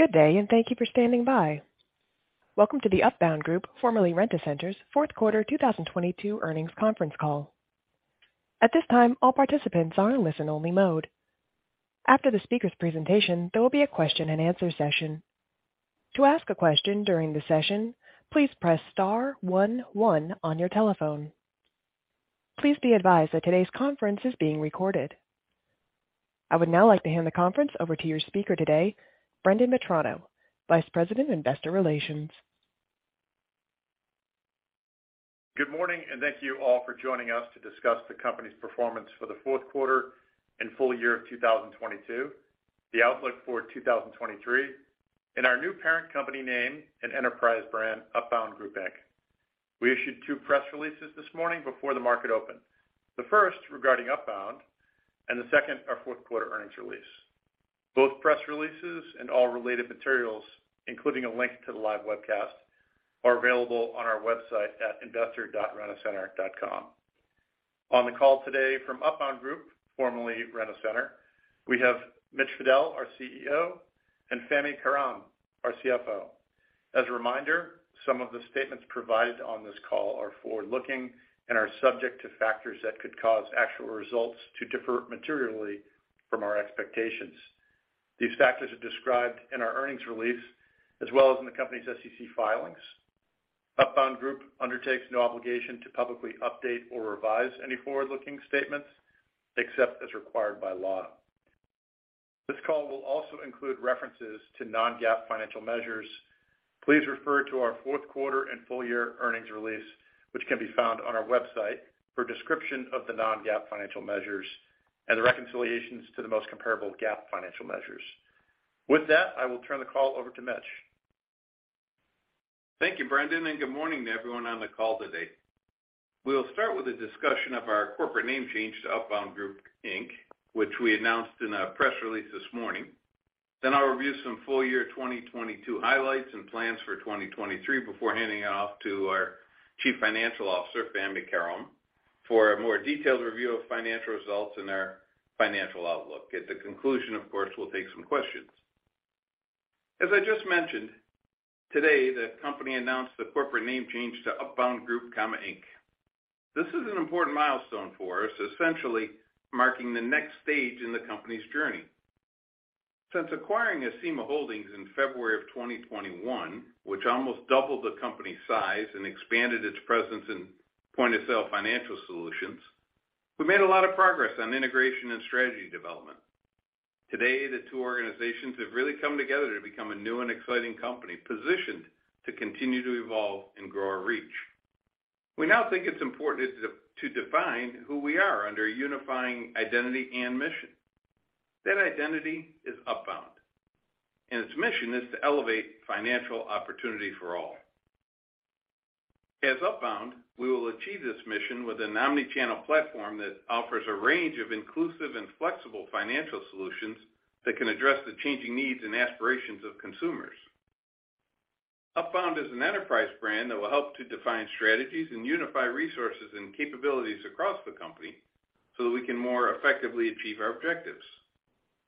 Good day. Thank you for standing by. Welcome to the Upbound Group, formerly Rent-A-Center's Fourth Quarter 2022 Earnings Conference Call. At this time, all participants are in listen-only mode. After the speaker's presentation, there will be a question-and-answer session. To ask a question during the session, please press star one one on your telephone. Please be advised that today's conference is being recorded. I would now like to hand the conference over to your speaker today, Brendan Mitrano, Vice President, Investor Relations. Good morning thank you all for joining us to discuss the company's performance for the fourth quarter and full year of 2022, the outlook for 2023, and our new parent company name and enterprise brand, Upbound Group, Inc. We issued two press releases this morning before the market opened. The first regarding Upbound, and the second, our fourth-quarter earnings release. Both press releases and all related materials, including a link to the live webcast, are available on our website at investor.rentacenter.com. On the call today from Upbound Group, formerly Rent-A-Center, we have Mitch Fadel, our CEO, and Fahmi Karam, our CFO. As a reminder, some of the statements provided on this call are forward-looking and are subject to factors that could cause actual results to differ materially from our expectations. These factors are described in our earnings release as well as in the company's SEC filings. Upbound Group undertakes no obligation to publicly update or revise any forward-looking statements except as required by law. This call will also include references to non-GAAP financial measures. Please refer to our fourth quarter and full year earnings release, which can be found on our website for a description of the non-GAAP financial measures and the reconciliations to the most comparable GAAP financial measures. With that, I will turn the call over to Mitch. Thank you Brendan and good morning to everyone on the call today. We'll start with a discussion of our corporate name change to Upbound Group, Inc., which we announced in a press release this morning. I'll review some full-year 2022 highlights and plans for 2023 before handing it off to our Chief Financial Officer, Fahmi Karam, for a more detailed review of financial results and our financial outlook. At the conclusion, of course, we'll take some questions. As I just mentioned, today the company announced the corporate name change to Upbound Group, Inc. This is an important milestone for us, essentially marking the next stage in the company's journey. Since acquiring Acima Holdings in February of 2021, which almost doubled the company's size and expanded its presence in point-of-sale financial solutions, we made a lot of progress on integration and strategy development. Today, the two organizations have really come together to become a new and exciting company positioned to continue to evolve and grow our reach. We now think it's important to define who we are under a unifying identity and mission. That identity is Upbound. Its mission is to elevate financial opportunity for all. As Upbound, we will achieve this mission with an omni-channel platform that offers a range of inclusive and flexible financial solutions that can address the changing needs and aspirations of consumers. Upbound is an enterprise brand that will help to define strategies and unify resources and capabilities across the company so that we can more effectively achieve our objectives.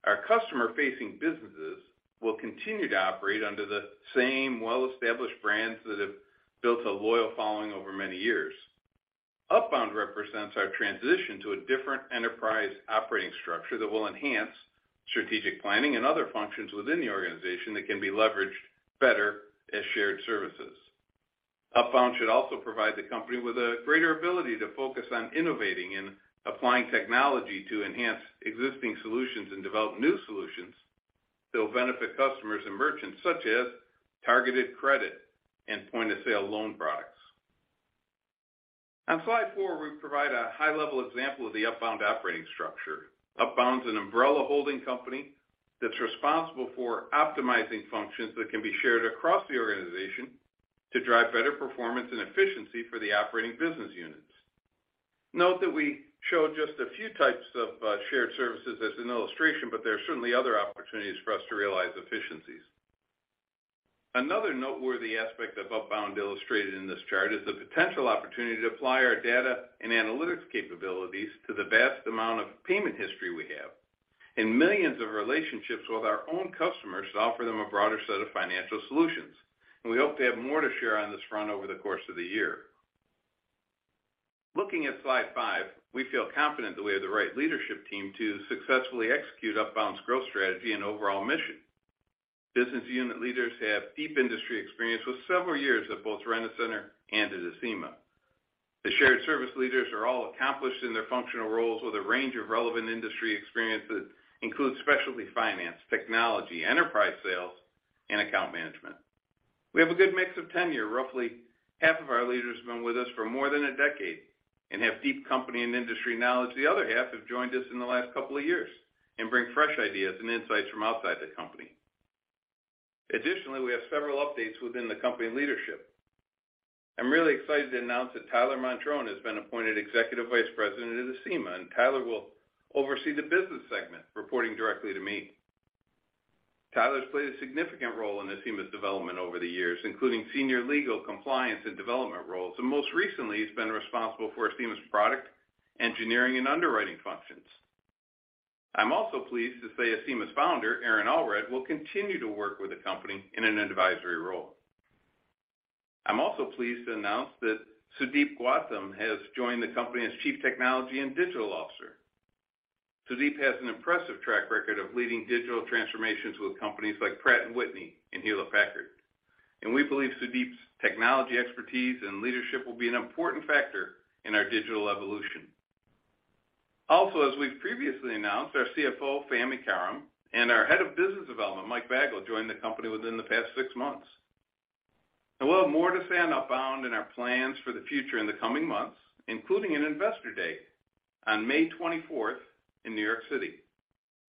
Our customer-facing businesses will continue to operate under the same well-established brands that have built a loyal following over many years. Upbound represents our transition to a different enterprise operating structure that will enhance strategic planning and other functions within the organization that can be leveraged better as shared services. Upbound should also provide the company with a greater ability to focus on innovating and applying technology to enhance existing solutions and develop new solutions that will benefit customers and merchants, such as targeted credit and point-of-sale loan products. On slide four, we provide a high-level example of the Upbound operating structure. Upbound is an umbrella holding company that's responsible for optimizing functions that can be shared across the organization to drive better performance and efficiency for the operating business units. Note that we showed just a few types of shared services as an illustration, but there are certainly other opportunities for us to realize efficiencies. Another noteworthy aspect of Upbound illustrated in this chart is the potential opportunity to apply our data and analytics capabilities to the vast amount of payment history we have and millions of relationships with our own customers to offer them a broader set of financial solutions. We hope to have more to share on this front over the course of the year. Looking at slide five, we feel confident that we have the right leadership team to successfully execute Upbound's growth strategy and overall mission. Business unit leaders have deep industry experience with several years at both Rent-A-Center and at Acima. The shared service leaders are all accomplished in their functional roles with a range of relevant industry experiences include specialty finance, technology, enterprise sales, and account management. We have a good mix of tenure. Roughly half of our leaders have been with us for more than a decade and have deep company and industry knowledge. The other half have joined us in the last couple of years and bring fresh ideas and insights from outside the company. Additionally, we have several updates within the company leadership. I'm really excited to announce that Tyler Montrone has been appointed Executive Vice President of Acima. Tyler will oversee the business segment reporting directly to me. Tyler's played a significant Acima's development over the years, including senior legal compliance and development roles. Most recently, he's been responsible for Acima's product engineering and underwriting functions. I'm also pleased to say Acima's founder, Aaron Allred, will continue to work with the company in an advisory role. I'm also pleased to announce that Sudeep Gautam has joined the company as Chief Technology and Digital Officer. Sudeep has an impressive track record of leading digital transformations with companies like Pratt & Whitney and Hewlett-Packard. We believe Sudeep's technology expertise and leadership will be an important factor in our digital evolution. Also, as we've previously announced, our CFO, Fahmi Karam, and our Head of Business Development, Mike Bagull, joined the company within the past six months. We'll have more to say on Upbound and our plans for the future in the coming months, including an Investor Day on May 24th in New York City.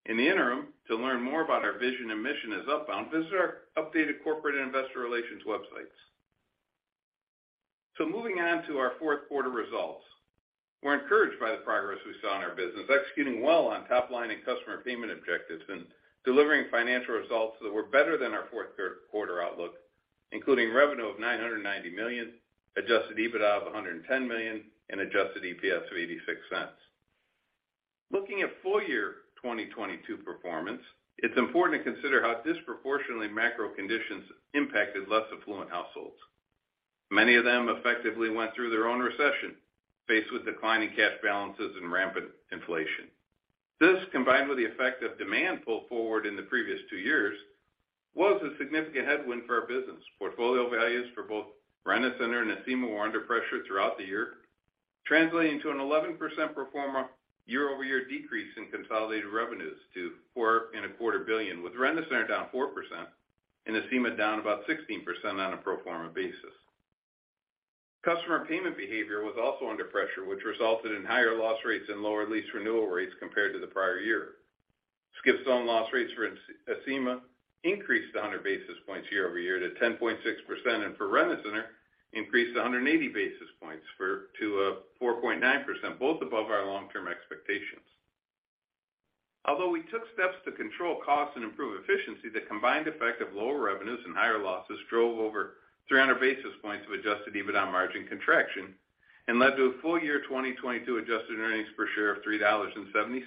In the interim, to learn more about our vision and mission as Upbound, visit our updated corporate investor relations websites. Moving on to our fourth quarter results. We're encouraged by the progress we saw in our business, executing well on top line and customer payment objectives and delivering financial results that were better than our fourth quarter outlook, including revenue of $990 million, Adjusted EBITDA of $110 million, and Adjusted EPS of $0.86. Looking at full year 2022 performance, it's important to consider how disproportionately macro conditions impacted less affluent households. Many of them effectively went through their own recession, faced with declining cash balances and rampant inflation. This, combined with the effect of demand pulled forward in the previous two years, was a significant headwind for our business. Portfolio values for both Rent-A-Center and Acima were under pressure throughout the year, translating to an 11% pro forma year-over-year decrease in consolidated revenues to $4 and a quarter billion, with Rent-A-Center down 4% and Acima down about 16% on a pro forma basis. Customer payment behavior was also under pressure, which resulted in higher loss rates and lower lease renewal rates compared to the prior year. Skip-zone loss rates for Acima increased 100 basis points year-over-year to 10.6%, and for Rent-A-Center increased to 180 basis points to 4.9%, both above our long-term expectations. Although we took steps to control costs and improve efficiency, the combined effect of lower revenues and higher losses drove over 300 basis points of Adjusted EBITDA margin contraction and led to a full year 2022 Adjusted earnings per share of $3.70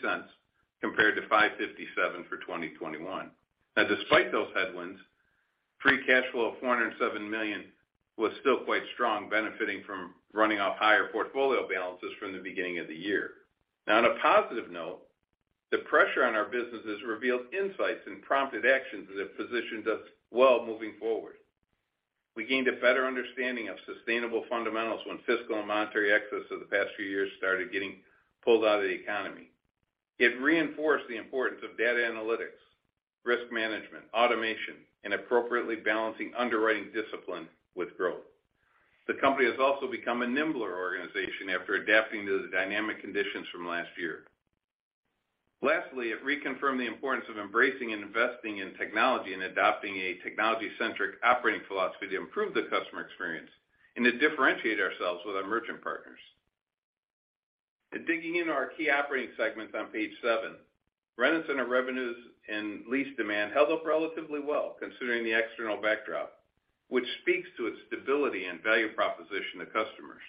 compared to $5.57 for 2021. Despite those headwinds, free cash flow of $407 million was still quite strong, benefiting from running off higher portfolio balances from the beginning of the year. On a positive note, the pressure on our businesses revealed insights and prompted actions that positioned us well moving forward. We gained a better understanding of sustainable fundamentals when fiscal and monetary excess of the past few years started getting pulled out of the economy. It reinforced the importance of data analytics, risk management, automation, and appropriately balancing underwriting discipline with growth. The company has also become a nimbler organization after adapting to the dynamic conditions from last year. Lastly, it reconfirmed the importance of embracing and investing in technology and adopting a technology-centric operating philosophy to improve the customer experience and to differentiate ourselves with our merchant partners. Digging into our key operating segments on page seven, Rent-A-Center revenues and lease demand held up relatively well, considering the external backdrop, which speaks to its stability and value proposition to customers.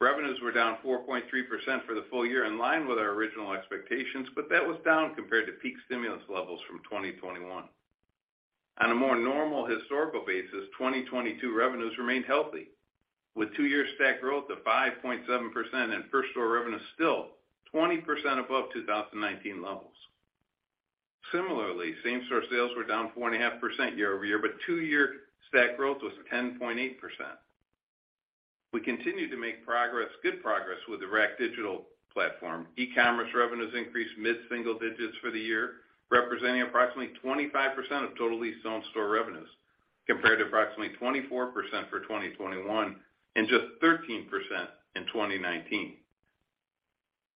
Revenues were down 4.3% for the full year in line with our original expectations, that was down compared to peak stimulus levels from 2021. On a more normal historical basis, 2022 revenues remained healthy, with two-year stack growth to 5.7% and first-door revenue still 20% above 2019 levels. Similarly same-store sales were down 4.5% year-over-year, two-year stack growth was 10.8%. We continue to make progress, good progress with the RAC Digital platform. E-commerce revenues increased mid-single digits for the year, representing approximately 25% of total lease-owned store revenues, compared to approximately 24% for 2021 and just 13% in 2019.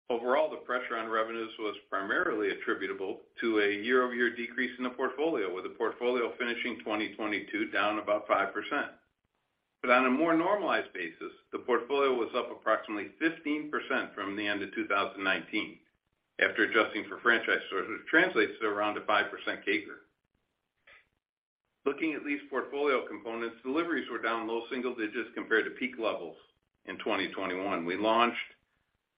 Overall, the pressure on revenues was primarily attributable to a year-over-year decrease in the portfolio, with the portfolio finishing 2022 down about 5%. On a more normalized basis, the portfolio was up approximately 15% from the end of 2019. After adjusting for franchise stores, it translates to around a 5% CAGR. Looking at lease portfolio components, deliveries were down low single digits compared to peak levels in 2021. We launched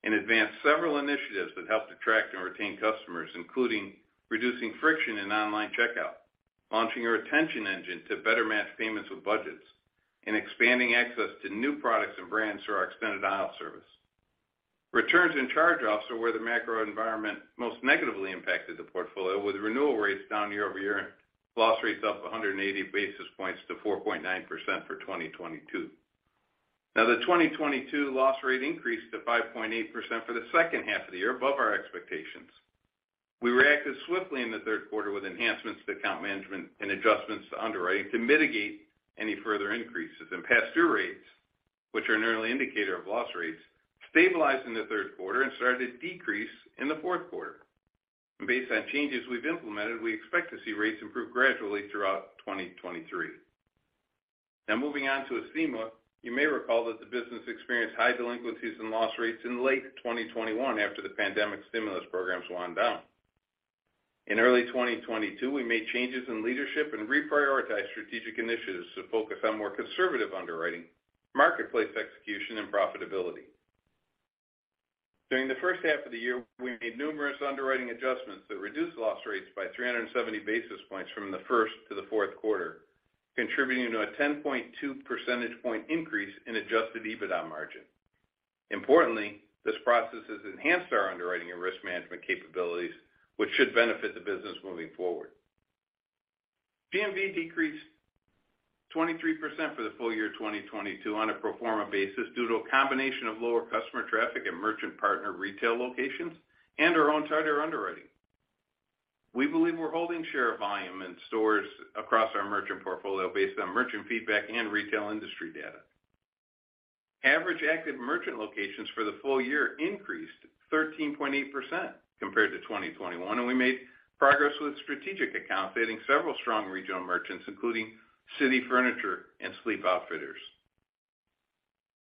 and advanced several initiatives that helped attract and retain customers, including reducing friction in online checkout, launching our attention engine to better match payments with budgets, and expanding access to new products and brands through our extended aisle service. Returns and charge-offs are where the macro environment most negatively impacted the portfolio, with renewal rates down year-over-year and loss rates up 180 basis points to 4.9% for 2022. Now, the 2022 loss rate increased to 5.8% for the second half of the year, above our expectations. We reacted swiftly in the third quarter with enhancements to account management and adjustments to underwriting to mitigate any further increases. Past due rates, which are an early indicator of loss rates, stabilized in the third quarter and started to decrease in the fourth quarter. Based on changes we've implemented, we expect to see rates improve gradually throughout 2023. Now moving on to Acima. You may recall that the business experienced high delinquencies and loss rates in late 2021 after the pandemic stimulus programs wound down. In early 2022, we made changes in leadership and reprioritized strategic initiatives to focus on more conservative underwriting, marketplace execution and profitability. During the first half of the year, we made numerous underwriting adjustments that reduced loss rates by 370 basis points from the first to the fourth quarter, contributing to a 10.2 percentage point increase in Adjusted EBITDA margin. Importantly, this process has enhanced our underwriting and risk management capabilities, which should benefit the business moving forward. GMV decreased 23% for the full year 2022 on a pro forma basis due to a combination of lower customer traffic and merchant partner retail locations and our own tighter underwriting. We believe we're holding share volume in stores across our merchant portfolio based on merchant feedback and retail industry data. Average active merchant locations for the full year increased 13.8% compared to 2021. We made progress with strategic accounts, adding several strong regional merchants including City Furniture and Sleep Outfitters.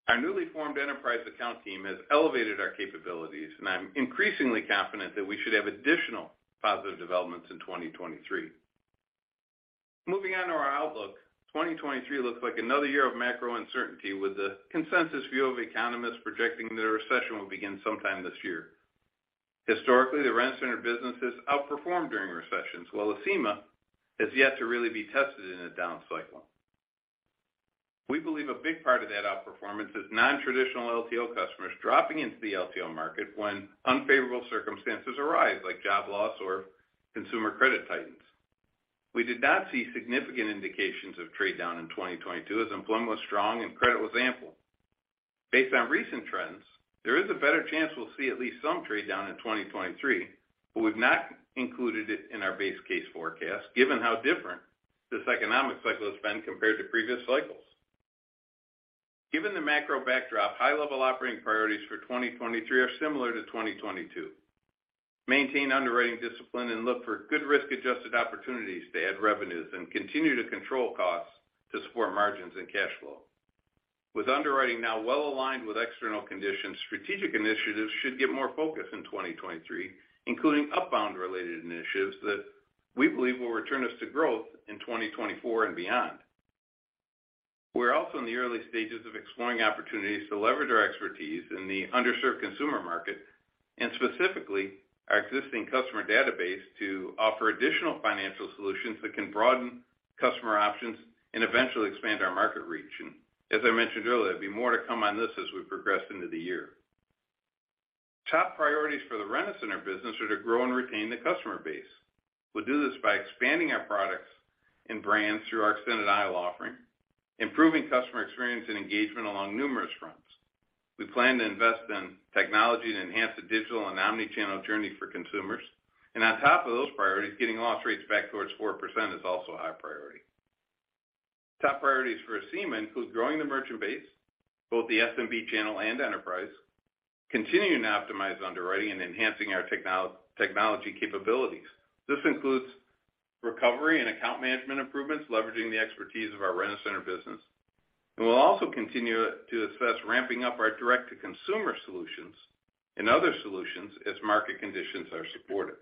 Our newly formed enterprise account team has elevated our capabilities. I'm increasingly confident that we should have additional positive developments in 2023. Moving on to our outlook. 2023 looks like another year of macro uncertainty, with the consensus view of economists projecting that a recession will begin sometime this year. Historically the Rent-A-Center business has outperformed during recessions, while Acima has yet to really be tested in a down cycle. We believe a big part of that outperformance is non-traditional LTO customers dropping into the LTO market when unfavorable circumstances arise, like job loss or consumer credit tightens. We did not see significant indications of trade down in 2022 as employment was strong and credit was ample. Based on recent trends, there is a better chance we'll see at least some trade down in 2023, but we've not included it in our base case forecast given how different this economic cycle has been compared to previous cycles. Given the macro backdrop, high-level operating priorities for 2023 are similar to 2022. Maintain underwriting discipline and look for good risk-adjusted opportunities to add revenues and continue to control costs to support margins and cash flow. With underwriting now well-aligned with external conditions, strategic initiatives should get more focus in 2023, including Upbound-related initiatives that we believe will return us to growth in 2024 and beyond. We're also in the early stages of exploring opportunities to leverage our expertise in the underserved consumer market and specifically our existing customer database to offer additional financial solutions that can broaden customer options and eventually expand our market reach. As I mentioned earlier, there'll be more to come on this as we progress into the year. Top priorities for the Rent-A-Center business are to grow and retain the customer base. We'll do this by expanding our products and brands through our extended aisle offering, improving customer experience and engagement along numerous fronts. We plan to invest in technology to enhance the digital and omnichannel journey for consumers. On top of those priorities, getting loss rates back towards 4% is also a high priority. Top priorities for Acima includes growing the merchant base, both the SMB channel and enterprise, continuing to optimize underwriting and enhancing our technology capabilities. This includes recovery and account management improvements, leveraging the expertise of our Rent-A-Center business. We'll also continue to assess ramping up our direct-to-consumer solutions and other solutions as market conditions are supportive.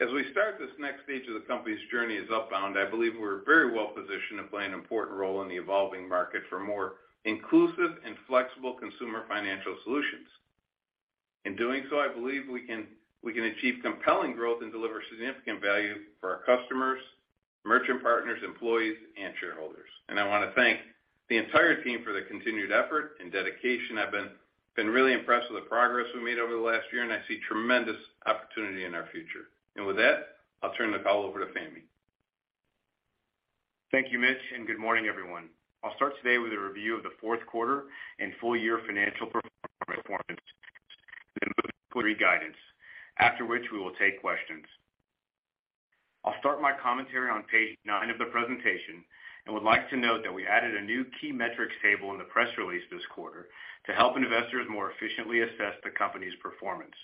As we start this next stage of the company's journey as Upbound, I believe we're very well-positioned to play an important role in the evolving market for more inclusive and flexible consumer financial solutions. In doing so, I believe we can achieve compelling growth and deliver significant value for our customers, merchant partners, employees and shareholders. I want to thank the entire team for their continued effort and dedication. I've been really impressed with the progress we made over the last year. I see tremendous opportunity in our future. With that, I'll turn the call over to Fahmi. Thank you Mitch good morning everyone. I'll start today with a review of the fourth quarter and full year financial performance, then move to guidance, after which we will take questions. I'll start my commentary on page nine of the presentation, and would like to note that we added a new key metrics table in the press release this quarter to help investors more efficiently assess the company's performance.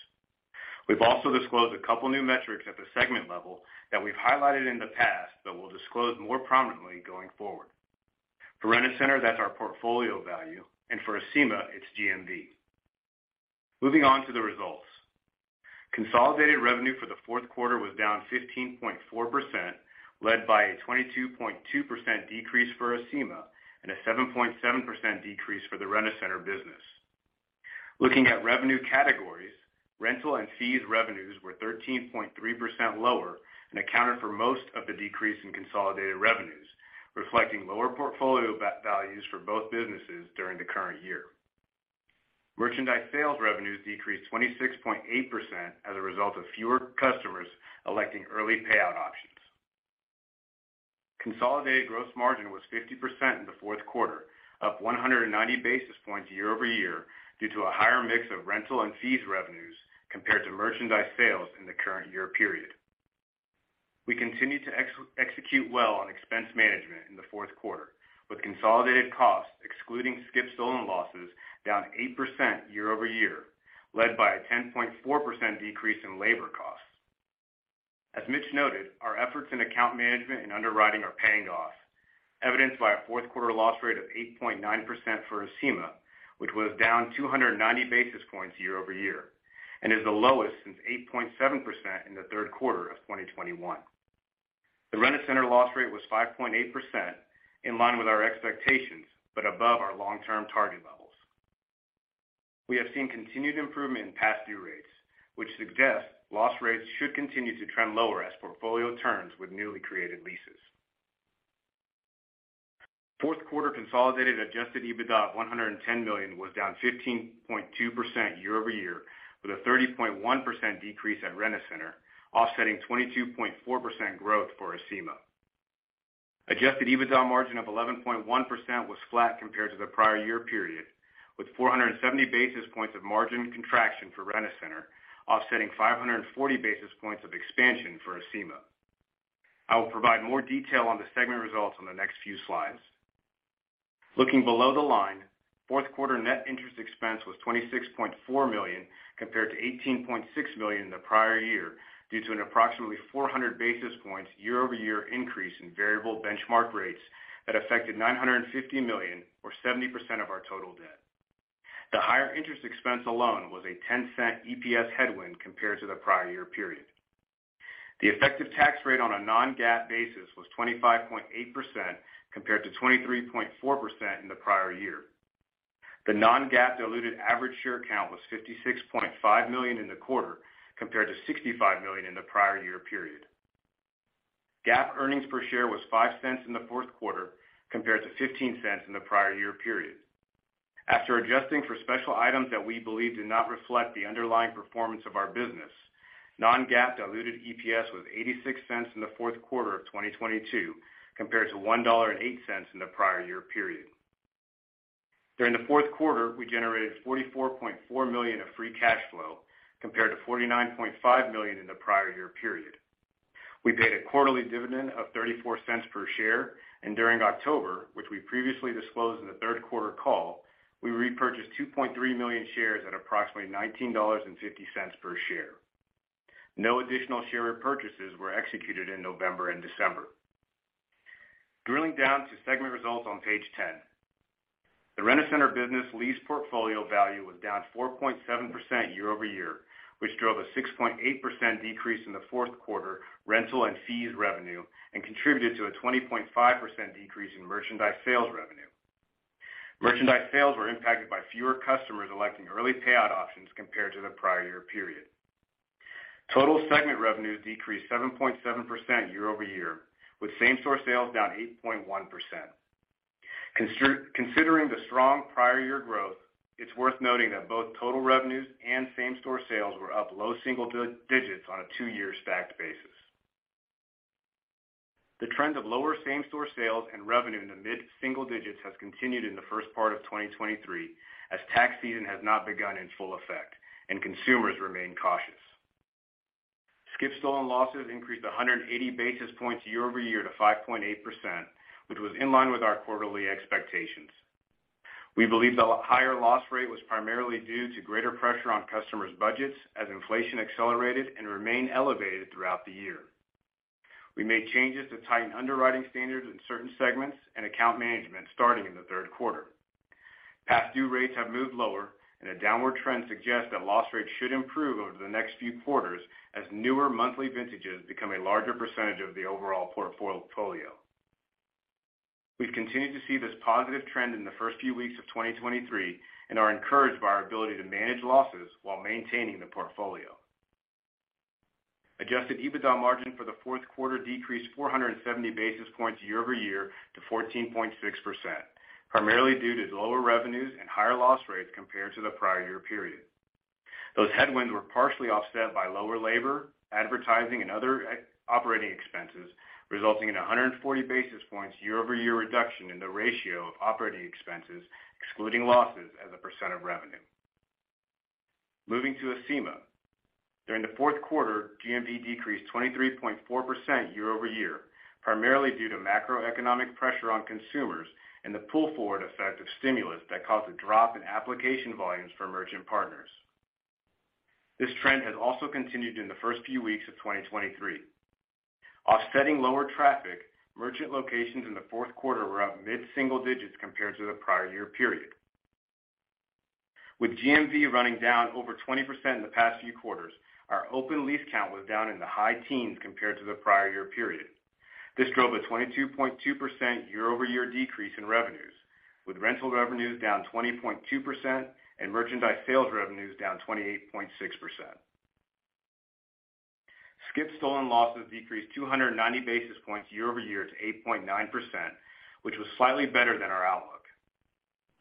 We've also disclosed a couple new metrics at the segment level that we've highlighted in the past, but we'll disclose more prominently going forward. For Rent-A-Center, that's our portfolio value, and for Acima, it's GMV. Moving on to the results. Consolidated revenue for the fourth quarter was down 15.4%, led by a 22.2% decrease for Acima and a 7.7% decrease for the Rent-A-Center business. Looking at revenue categories, rental and fees revenues were 13.3% lower and accounted for most of the decrease in consolidated revenues, reflecting lower portfolio values for both businesses during the current year. Merchandise sales revenues decreased 26.8% as a result of fewer customers electing early payout options. Consolidated gross margin was 50% in the fourth quarter, up 190 basis points year-over-year due to a higher mix of rental and fees revenues compared to merchandise sales in the current year period. We continued to execute well on expense management in the fourth quarter, with consolidated costs excluding skip-stolen losses down 8% year-over-year, led by a 10.4% decrease in labor costs. As Mitch noted, our efforts in account management and underwriting are paying off, evidenced by a fourth quarter loss rate of 8.9% for Acima, which was down 290 basis points year-over-year, and is the lowest since 8.7% in the third quarter of 2021. The Rent-A-Center loss rate was 5.8%, in line with our expectations, but above our long-term target levels. We have seen continued improvement in past due rates, which suggests loss rates should continue to trend lower as portfolio turns with newly created leases. Fourth quarter consolidated Adjusted EBITDA of $110 million was down 15.2% year-over-year, with a 30.1% decrease at Rent-A-Center, offsetting 22.4% growth for Acima. Adjusted EBITDA margin of 11.1% was flat compared to the prior year period, with 470 basis points of margin contraction for Rent-A-Center offsetting 540 basis points of expansion for Acima. I will provide more detail on the segment results on the next few slides. Looking below the line, fourth quarter net interest expense was $26.4 million compared to $18.6 million in the prior year due to an approximately 400 basis points year-over-year increase in variable benchmark rates that affected $950 million, or 70% of our total debt. The higher interest expense alone was a $0.10 EPS headwind compared to the prior year period. The effective tax rate on a non-GAAP basis was 25.8% compared to 23.4% in the prior year. The non-GAAP diluted average share count was 56.5 million in the quarter compared to 65 million in the prior year period. GAAP earnings per share was $0.05 in the fourth quarter compared to $0.15 in the prior year period. After adjusting for special items that we believe did not reflect the underlying performance of our business, non-GAAP diluted EPS was $0.86 in the fourth quarter of 2022 compared to $1.08 in the prior year period. During the fourth quarter, we generated $44.4 million of free cash flow compared to $49.5 million in the prior year period. We paid a quarterly dividend of $0.34 per share, and during October, which we previously disclosed in the third quarter call, we repurchased 2.3 million shares at approximately $19.50 per share. No additional share repurchases were executed in November and December. Drilling down to segment results on page 10, the Rent-A-Center business lease portfolio value was down 4.7% year-over-year, which drove a 6.8% decrease in the fourth quarter rental and fees revenue and contributed to a 20.5% decrease in merchandise sales revenue. Merchandise sales were impacted by fewer customers electing early payout options compared to the prior year period. Total segment revenues decreased 7.7% year-over-year, with same-store sales down 8.1%. Considering the strong prior year growth, it's worth noting that both total revenues and same-store sales were up low single digits on a two-year stacked basis. The trend of lower same-store sales and revenue in the mid-single digits has continued in the first part of 2023, as tax season has not begun in full effect and consumers remain cautious. Skip stolen losses increased 180 basis points year-over-year to 5.8%, which was in line with our quarterly expectations. We believe the higher loss rate was primarily due to greater pressure on customers' budgets as inflation accelerated and remained elevated throughout the year. We made changes to tighten underwriting standards in certain segments and account management starting in the third quarter. Past due rates have moved lower. A downward trend suggests that loss rates should improve over the next few quarters as newer monthly vintages become a larger % of the overall portfolio. We've continued to see this positive trend in the first few weeks of 2023 and are encouraged by our ability to manage losses while maintaining the portfolio. Adjusted EBITDA margin for the fourth quarter decreased 470 basis points year-over-year to 14.6%, primarily due to lower revenues and higher loss rates compared to the prior year period. Those headwinds were partially offset by lower labor, advertising, and other operating expenses, resulting in a 140 basis points year-over-year reduction in the ratio of operating expenses, excluding losses as a % of revenue. Moving to Acima. During the fourth quarter, GMV decreased 23.4% year-over-year, primarily due to macroeconomic pressure on consumers and the pull forward effect of stimulus that caused a drop in application volumes for merchant partners. This trend has also continued in the first few weeks of 2023. Offsetting lower traffic, merchant locations in the fourth quarter were up mid-single digits compared to the prior year period. With GMV running down over 20% in the past few quarters, our open lease count was down in the high teens compared to the prior year period. This drove a 22.2% year-over-year decrease in revenues, with rental revenues down 20.2% and merchandise sales revenues down 28.6%. Skip/stolen losses decreased 290 basis points year-over-year to 8.9%, which was slightly better than our outlook.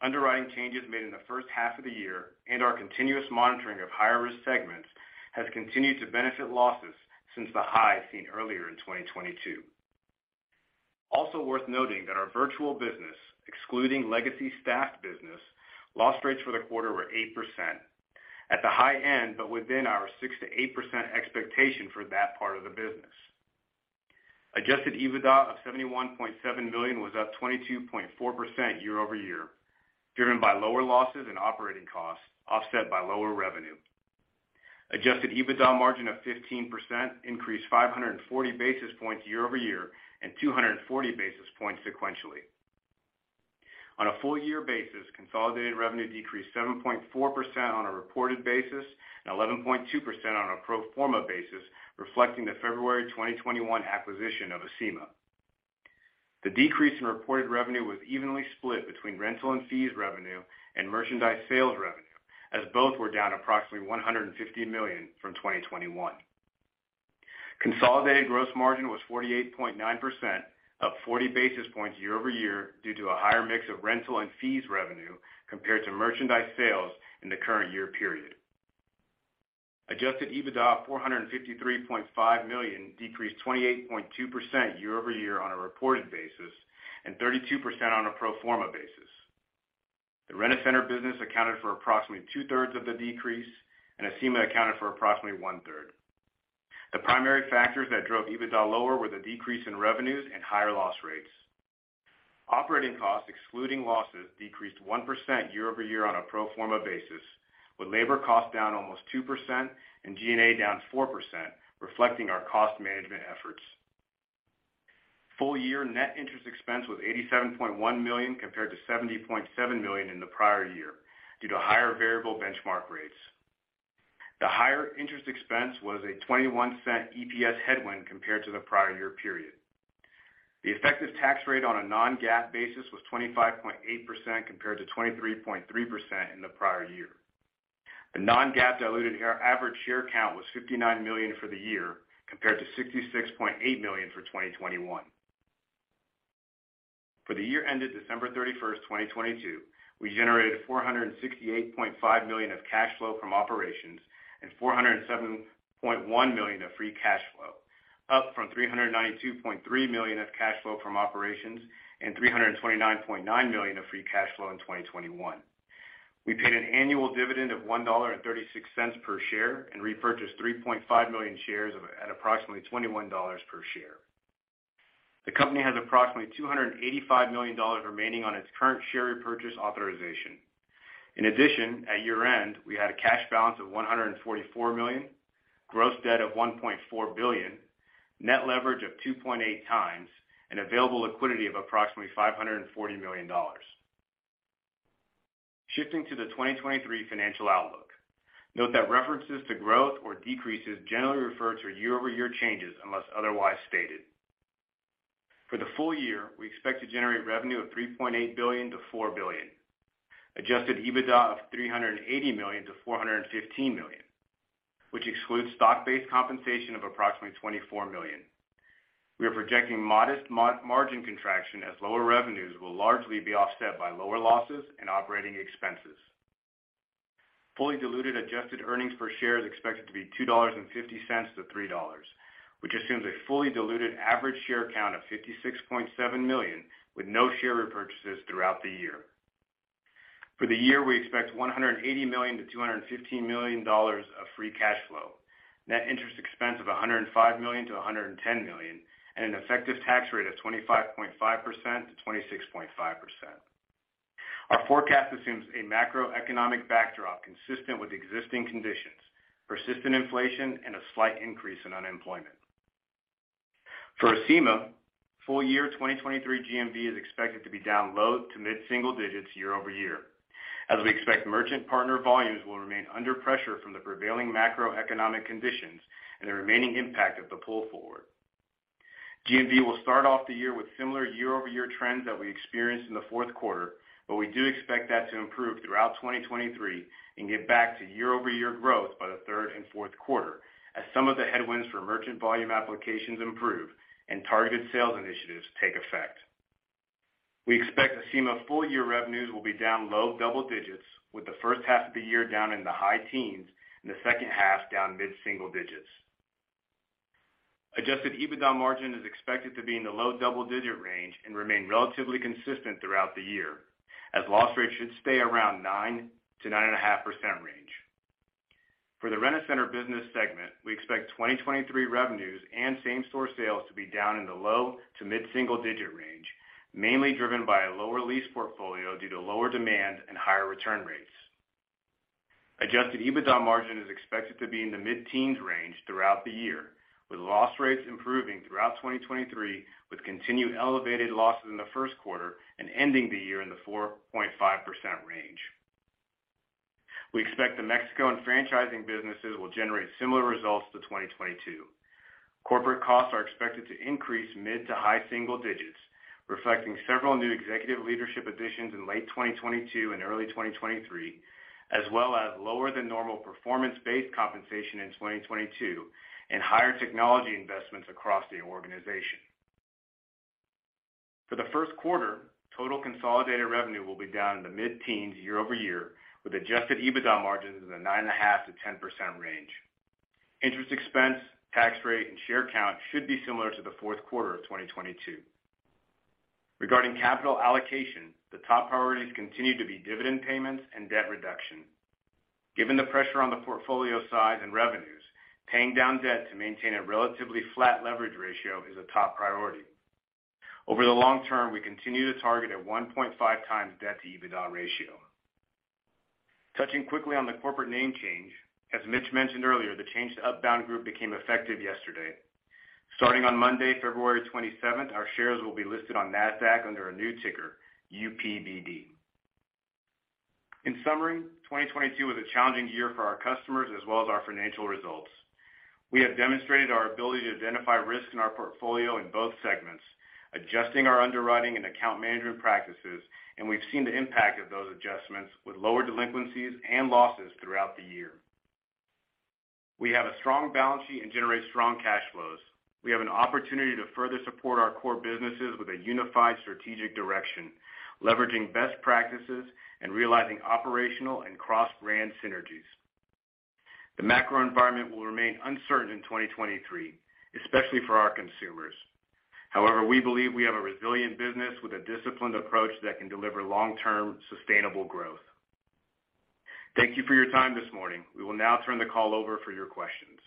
Underwriting changes made in the first half of the year and our continuous monitoring of higher risk segments has continued to benefit losses since the high seen earlier in 2022. Worth noting that our virtual business, excluding legacy staffed business, loss rates for the quarter were 8%, at the high end, but within our 6%-8% expectation for that part of the business. Adjusted EBITDA of $71.7 million was up 22.4% year-over-year, driven by lower losses and operating costs offset by lower revenue. Adjusted EBITDA margin of 15% increased 540 basis points year-over-year and 240 basis points sequentially. On a full year basis, consolidated revenue decreased 7.4% on a reported basis and 11.2% on a pro forma basis, reflecting the February 2021 acquisition of Acima. The decrease in reported revenue was evenly split between rental and fees revenue and merchandise sales revenue, as both were down approximately $150 million from 2021. Consolidated gross margin was 48.9%, up 40 basis points year-over-year due to a higher mix of rental and fees revenue compared to merchandise sales in the current year period. Adjusted EBITDA of $453.5 million decreased 28.2% year-over-year on a reported basis, and 32% on a pro forma basis. The Rent-A-Center business accounted for approximately two-thirds of the decrease, and Acima accounted for approximately one-third. The primary factors that drove EBITDA lower were the decrease in revenues and higher loss rates. Operating costs excluding losses decreased 1% year-over-year on a pro forma basis, with labor costs down almost 2% and G&A down 4%, reflecting our cost management efforts. Full year net interest expense was $87.1 million compared to $70.7 million in the prior year due to higher variable benchmark rates. The higher interest expense was a $0.21 EPS headwind compared to the prior year period. The effective tax rate on a non-GAAP basis was 25.8% compared to 23.3% in the prior year. The non-GAAP diluted average share count was 59 million for the year compared to 66.8 million for 2021. For the year ended December 31st, 2022, we generated $468.5 million of cash flow from operations and $407.1 million of free cash flow, up from $392.3 million of cash flow from operations and $329.9 million of free cash flow in 2021. We paid an annual dividend of $1.36 per share and repurchased 3.5 million shares at approximately $21 per share. The company has approximately $285 million remaining on its current share repurchase authorization. At year-end, we had a cash balance of $144 million, gross debt of $1.4 billion, net leverage of 2.8x, and available liquidity of approximately $540 million. Shifting to the 2023 financial outlook. Note that references to growth or decreases generally refer to year-over-year changes unless otherwise stated. For the full year, we expect to generate revenue of $3.8 billion-$4 billion, Adjusted EBITDA of $380 million-$415 million, which excludes stock-based compensation of approximately $24 million. We are projecting modest margin contraction as lower revenues will largely be offset by lower losses and operating expenses. Fully diluted Adjusted earnings per share is expected to be $2.50-$3.00, which assumes a fully diluted average share count of 56.7 million with no share repurchases throughout the year. For the year, we expect $180 million-$215 million of free cash flow, net interest expense of $105 million-$110 million, and an effective tax rate of 25.5%-26.5%. Our forecast assumes a macroeconomic backdrop consistent with existing conditions, persistent inflation, and a slight increase in unemployment. For Acima, full year 2023 GMV is expected to be down low to mid-single digits year-over-year, as we expect merchant partner volumes will remain under pressure from the prevailing macroeconomic conditions and the remaining impact of the pull forward. GMV will start off the year with similar year-over-year trends that we experienced in the fourth quarter. We do expect that to improve throughout 2023 and get back to year-over-year growth by the third and fourth quarter as some of the headwinds for merchant volume applications improve and targeted sales initiatives take effect. We expect Acima full year revenues will be down low double digits, with the first half of the year down in the high teens and the second half down mid-single digits. Adjusted EBITDA margin is expected to be in the low double-digit range and remain relatively consistent throughout the year, as loss rates should stay around 9%-9.5% range. For the Rent-A-Center business segment, we expect 2023 revenues and same-store sales to be down in the low-to-mid-single-digit range, mainly driven by a lower lease portfolio due to lower demand and higher return rates. Adjusted EBITDA margin is expected to be in the mid-teens range throughout the year, with loss rates improving throughout 2023, with continued elevated losses in the first quarter and ending the year in the 4.5% range. We expect the Mexico and franchising businesses will generate similar results to 2022. Corporate costs are expected to increase mid-to-high single digits, reflecting several new executive leadership additions in late 2022 and early 2023, as well as lower than normal performance-based compensation in 2022 and higher technology investments across the organization. For the first quarter, total consolidated revenue will be down in the mid-teens year-over-year, with Adjusted EBITDA margins in the 9.5%-10% range. Interest expense, tax rate, and share count should be similar to the fourth quarter of 2022. Regarding capital allocation, the top priorities continue to be dividend payments and debt reduction. Given the pressure on the portfolio side and revenues, paying down debt to maintain a relatively flat leverage ratio is a top priority. Over the long term, we continue to target a 1.5x debt-to-EBITDA ratio. Touching quickly on the corporate name change. As Mitch mentioned earlier, the change to Upbound Group became effective yesterday. Starting on Monday, February 27th, our shares will be listed on Nasdaq under a new ticker, UPBD. In summary, 2022 was a challenging year for our customers as well as our financial results. We have demonstrated our ability to identify risks in our portfolio in both segments, adjusting our underwriting and account management practices, and we've seen the impact of those adjustments with lower delinquencies and losses throughout the year. We have a strong balance sheet and generate strong cash flows. We have an opportunity to further support our core businesses with a unified strategic direction, leveraging best practices and realizing operational and cross-brand synergies. The macro environment will remain uncertain in 2023, especially for our consumers. However, we believe we have a resilient business with a disciplined approach that can deliver long-term sustainable growth. Thank you for your time this morning. We will now turn the call over for your questions.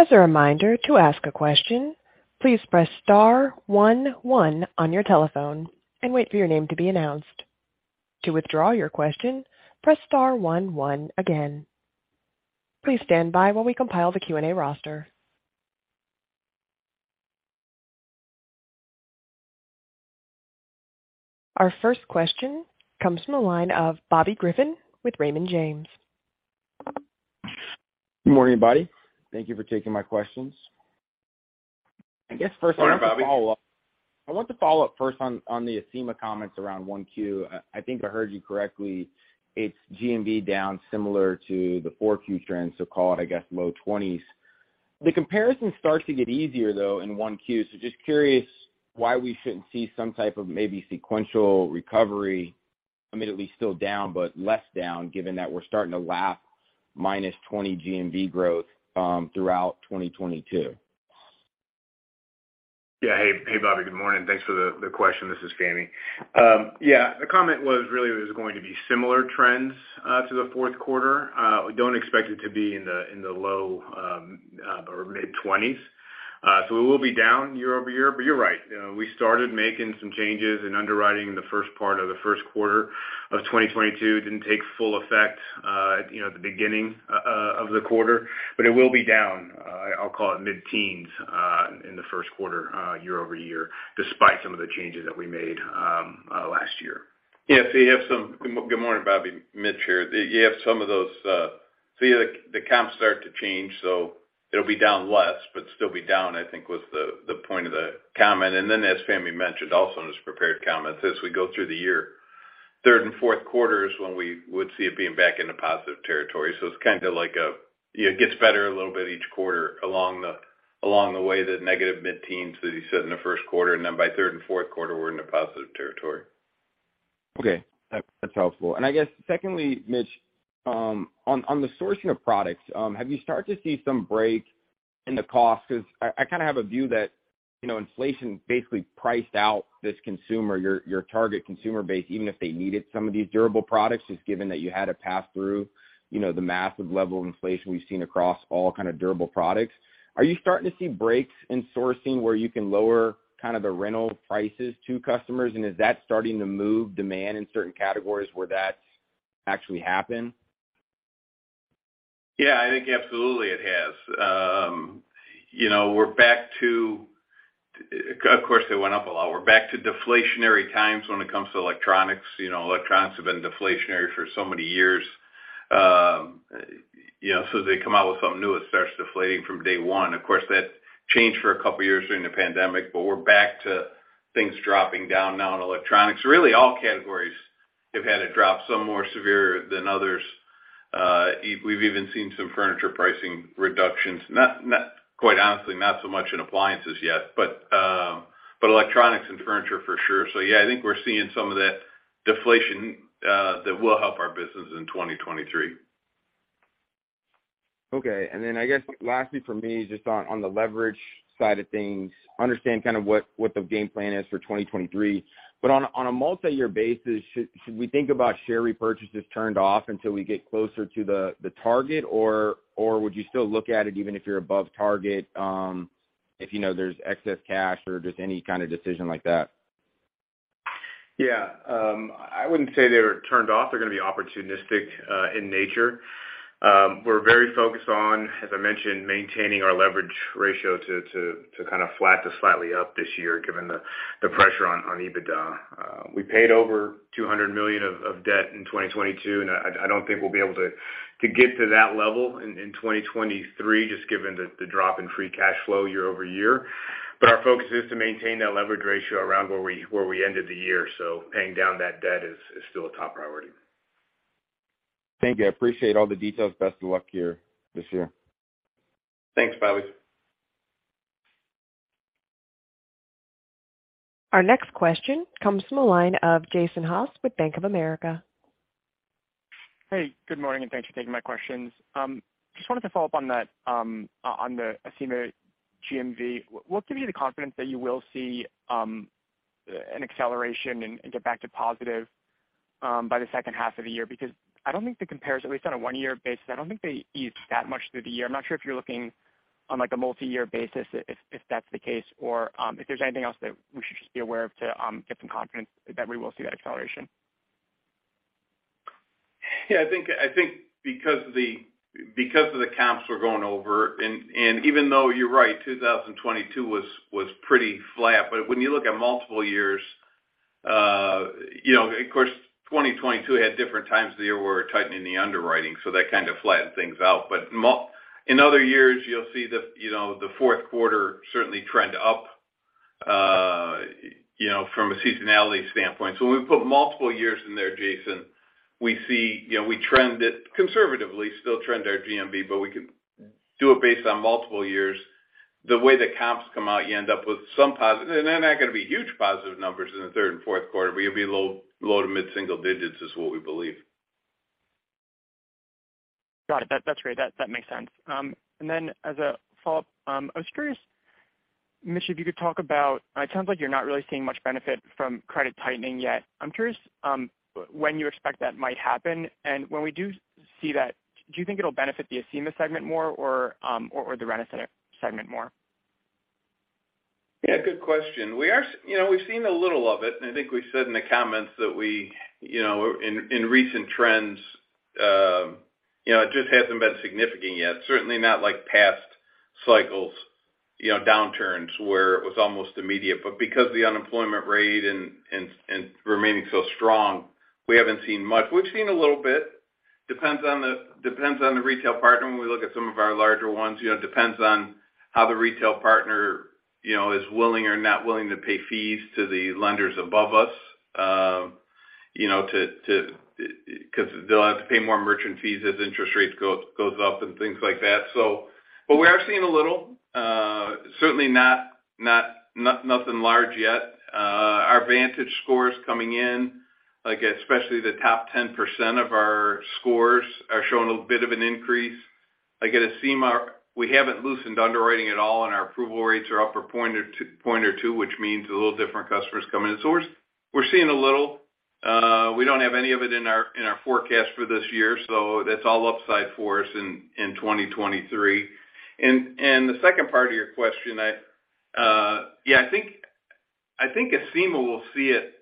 As a reminder, to ask a question, please press star one one on your telephone and wait for your name to be announced. To withdraw your question, press star one one again. Please stand by while we compile the Q&A roster. Our first question comes from the line of Bobby Griffin with Raymond James. Good morning Bobby. Thank you for taking my questions. Morning Bobby. I want to follow up first on the Acima comments around 1Q. I think I heard you correctly. It's GMV down similar to the 4Q trends, so call it, I guess, low 20s. The comparison starts to get easier, though, in 1Q. Just curious why we shouldn't see some type of maybe sequential recovery. I mean, at least still down, but less down, given that we're starting to lap -20% GMV growth throughout 2022. Hey Bobby good morning thanks for the question. This is Fahmi yeah, the comment was really it was going to be similar trends to the fourth quarter. We don't expect it to be in the low or mid-20s. We will be down year-over-year. You're right. You know, we started making some changes in underwriting in the first part of the first quarter of 2022. It didn't take full effect, you know, at the beginning of the quarter. It will be down, I'll call it mid-10s, in the first quarter year-over-year, despite some of the changes that we made last year. Yeah. Good morning Bobby, Mitch here. You have some of those, so the comps start to change, so it'll be down less but still be down, I think was the point of the comment. As Fahmi mentioned also in his prepared comments, as we go through the year, third and fourth quarter is when we would see it being back into positive territory. It's kinda like a, you know, gets better a little bit each quarter along the, along the way, the negative mid-teens that he said in the first quarter and then by third and fourth quarter we're in the positive territory. Okay. That's helpful. I guess secondly, Mitch, on the sourcing of products, have you started to see some break in the cost? 'Cause I kinda have a view that, you know, inflation basically priced out this consumer, your target consumer base, even if they needed some of these durable products, just given that you had to pass through, you know, the massive level of inflation we've seen across all kind of durable products. Are you starting to see breaks in sourcing where you can lower kind of the rental prices to customers? Is that starting to move demand in certain categories where that's actually happened? Yeah, I think absolutely it has. You know, Of course, it went up a lot. We're back to deflationary times when it comes to electronics. You know, electronics have been deflationary for so many years. You know, they come out with something new, it starts deflating from day one. Of course, that changed for a couple of years during the pandemic, but we're back to things dropping down now in electronics. Really, all categories have had a drop, some more severe than others. We've even seen some furniture pricing reductions. Quite honestly, not so much in appliances yet, but electronics and furniture for sure. Yeah, I think we're seeing some of that deflation that will help our business in 2023. Okay. I guess lastly from me, just on the leverage side of things, understand kind of what the game plan is for 2023. On a, on a multi-year basis, should we think about share repurchases turned off until we get closer to the target? Would you still look at it even if you're above target, if you know there's excess cash or just any kinda decision like that? Yeah. I wouldn't say they're turned off. They're gonna be opportunistic in nature. We're very focused on, as I mentioned, maintaining our leverage ratio to kind of flat to slightly up this year, given the pressure on EBITDA. We paid over $200 million of debt in 2022. I don't think we'll be able to get to that level in 2023, just given the drop in free cash flow year-over-year. Our focus is to maintain that leverage ratio around where we ended the year. Paying down that debt is still a top priority. Thank you. I appreciate all the details. Best of luck here this year. Thanks Bobby. Our next question comes from the line of Jason Haas with Bank of America. Good morning thanks for taking my questions. Just wanted to follow up on that, on the Acima GMV. What gives you the confidence that you will see an acceleration and get back to positive by the second half of the year? I don't think the compares, at least on a one-year basis, I don't think they ease that much through the year. I'm not sure if you're looking on, like, a multi-year basis if that's the case, or if there's anything else that we should just be aware of to get some confidence that we will see that acceleration. I think because of the comps we're going over, and even though you're right, 2022 was pretty flat. When you look at multiple years, you know, of course, 2022 had different times of the year where we're tightening the underwriting, so that kind of flattened things out. In other years, you'll see the, you know, the fourth quarter certainly trend up, you know, from a seasonality standpoint. When we put multiple years in there, Jason, we see, we trend it conservatively, still trend our GMV, but we can do it based on multiple years. The way the comps come out, you end up with some positive. They're not gonna be huge positive numbers in the third and fourth quarter, but you'll be low to mid-single digits is what we believe. Got it. That's great. That makes sense. As a follow-up, I was curious, Mitch, if you could talk about it sounds like you're not really seeing much benefit from credit tightening yet? I'm curious when you expect that might happen? When we do see that, do you think it'll benefit the Acima segment more or the Rent-A-Center segment more? Yeah good question. We've seen a little of it, I think we said in the comments that we, in recent trends, it just hasn't been significant yet. Certainly not like past cycles, you know, downturns where it was almost immediate. Because the unemployment rate and remaining so strong, we haven't seen much. We've seen a little bit. Depends on the retail partner. When we look at some of our larger ones, you know, depends on how the retail partner, you know, is willing or not willing to pay fees to the lenders above us, because they'll have to pay more merchant fees as interest rates goes up and things like that. We are seeing a little, certainly nothing large yet. Our VantageScore coming in, like, especially the top 10% of our scores are showing a bit of an increase. Like, at Acima, we haven't loosened underwriting at all, and our approval rates are up a point or two, which means a little different customers coming in. So we're seeing a little. We don't have any of it in our forecast for this year, so that's all upside for us in 2023. The second part of your question, I, yeah, I think Acima will see it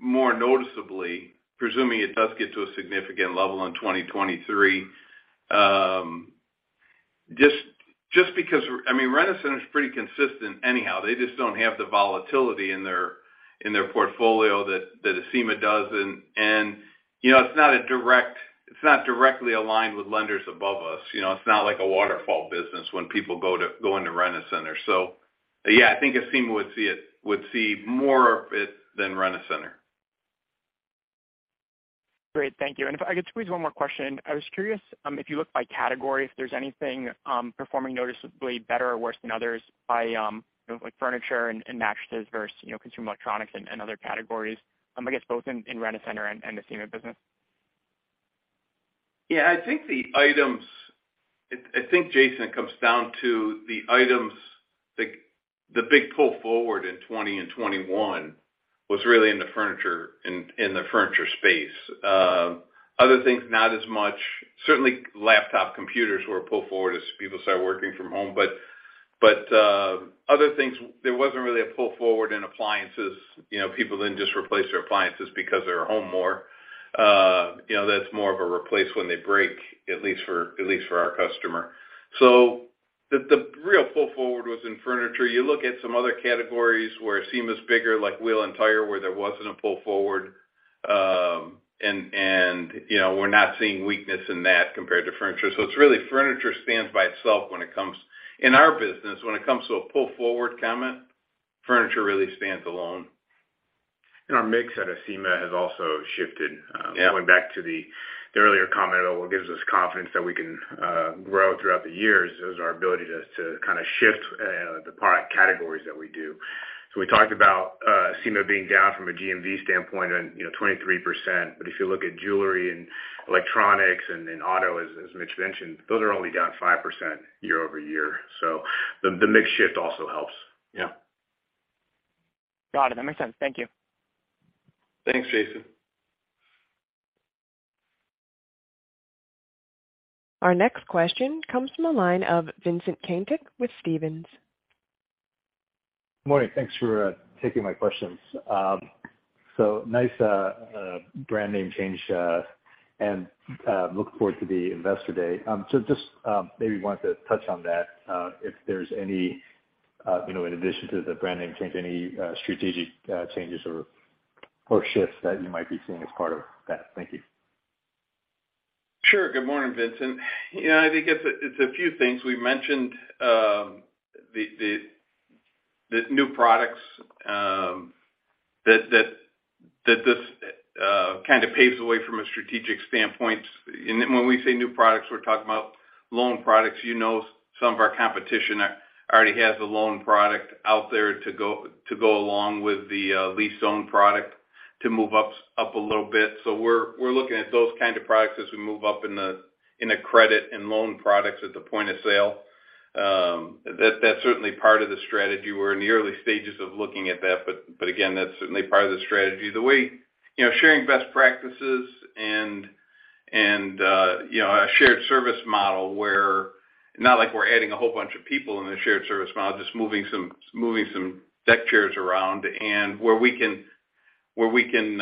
more noticeably, presuming it does get to a significant level in 2023. Just because we're... I mean, Rent-A-Center is pretty consistent anyhow. They just don't have the volatility in their portfolio that Acima does. You know, it's not directly aligned with lenders above us. You know, it's not like a waterfall business when people go into Rent-A-Center. Yeah, I think Acima would see it, would see more of it than Rent-A-Center. Great thank you. If I could squeeze one more question. I was curious, if you look by category, if there's anything performing noticeably better or worse than others by, you know, like furniture and mattresses versus, you know, consumer electronics and other categories, I guess both in Rent-A-Center and the Acima business. Yeah, I think the items... I think, Jason, it comes down to the items. The, the big pull forward in 2020 and 2021 was really in the furniture, in the furniture space. Other things, not as much. Certainly laptop computers were a pull forward as people started working from home. But other things, there wasn't really a pull forward in appliances. You know, people didn't just replace their appliances because they're home more. You know, that's more of a replace when they break, at least for, at least for our customer. The, the real pull forward was in furniture. You look at some other categories where Acima's bigger, like wheel and tire, where there wasn't a pull forward. You know, we're not seeing weakness in that compared to furniture. It's really furniture stands by itself when it comes... In our business, when it comes to a pull forward comment, furniture really stands alone. Our mix at Acima has also shifted. Yeah. Going back to the earlier comment, what gives us confidence that we can grow throughout the years is our ability to kind of shift the product categories that we do. We talked about Acima being down from a GMV standpoint on, you know, 23%. If you look at jewelry and electronics and auto, as Mitch mentioned, those are only down 5% year-over-year. The mix shift also helps. Yeah. Got it. That makes sense. Thank you. Thanks Jason. Our next question comes from the line of Vincent Caintic with Stephens. Morning. Thanks for taking my questions. Nice brand name change and look forward to the Investor Day. Just maybe want to touch on that, if there's any, you know, in addition to the brand name change, any strategic changes or shifts that you might be seeing as part of that. Thank you. Sure. Good morning Vincent. I think it's a few things. We mentioned the new products Kind of paves the way from a strategic standpoint. When we say new products, we're talking about loan products. Some of our competition already has a loan product out there to go along with the lease own product to move up a little bit. We're looking at those kind of products as we move up in the credit and loan products at the point-of-sale. That's certainly part of the strategy. We're in the early stages of looking at that, but again, that's certainly part of the strategy. Sharing best practices and a shared service model where... Not like we're adding a whole bunch of people in the shared service model, just moving some deck chairs around. Where we can, where we can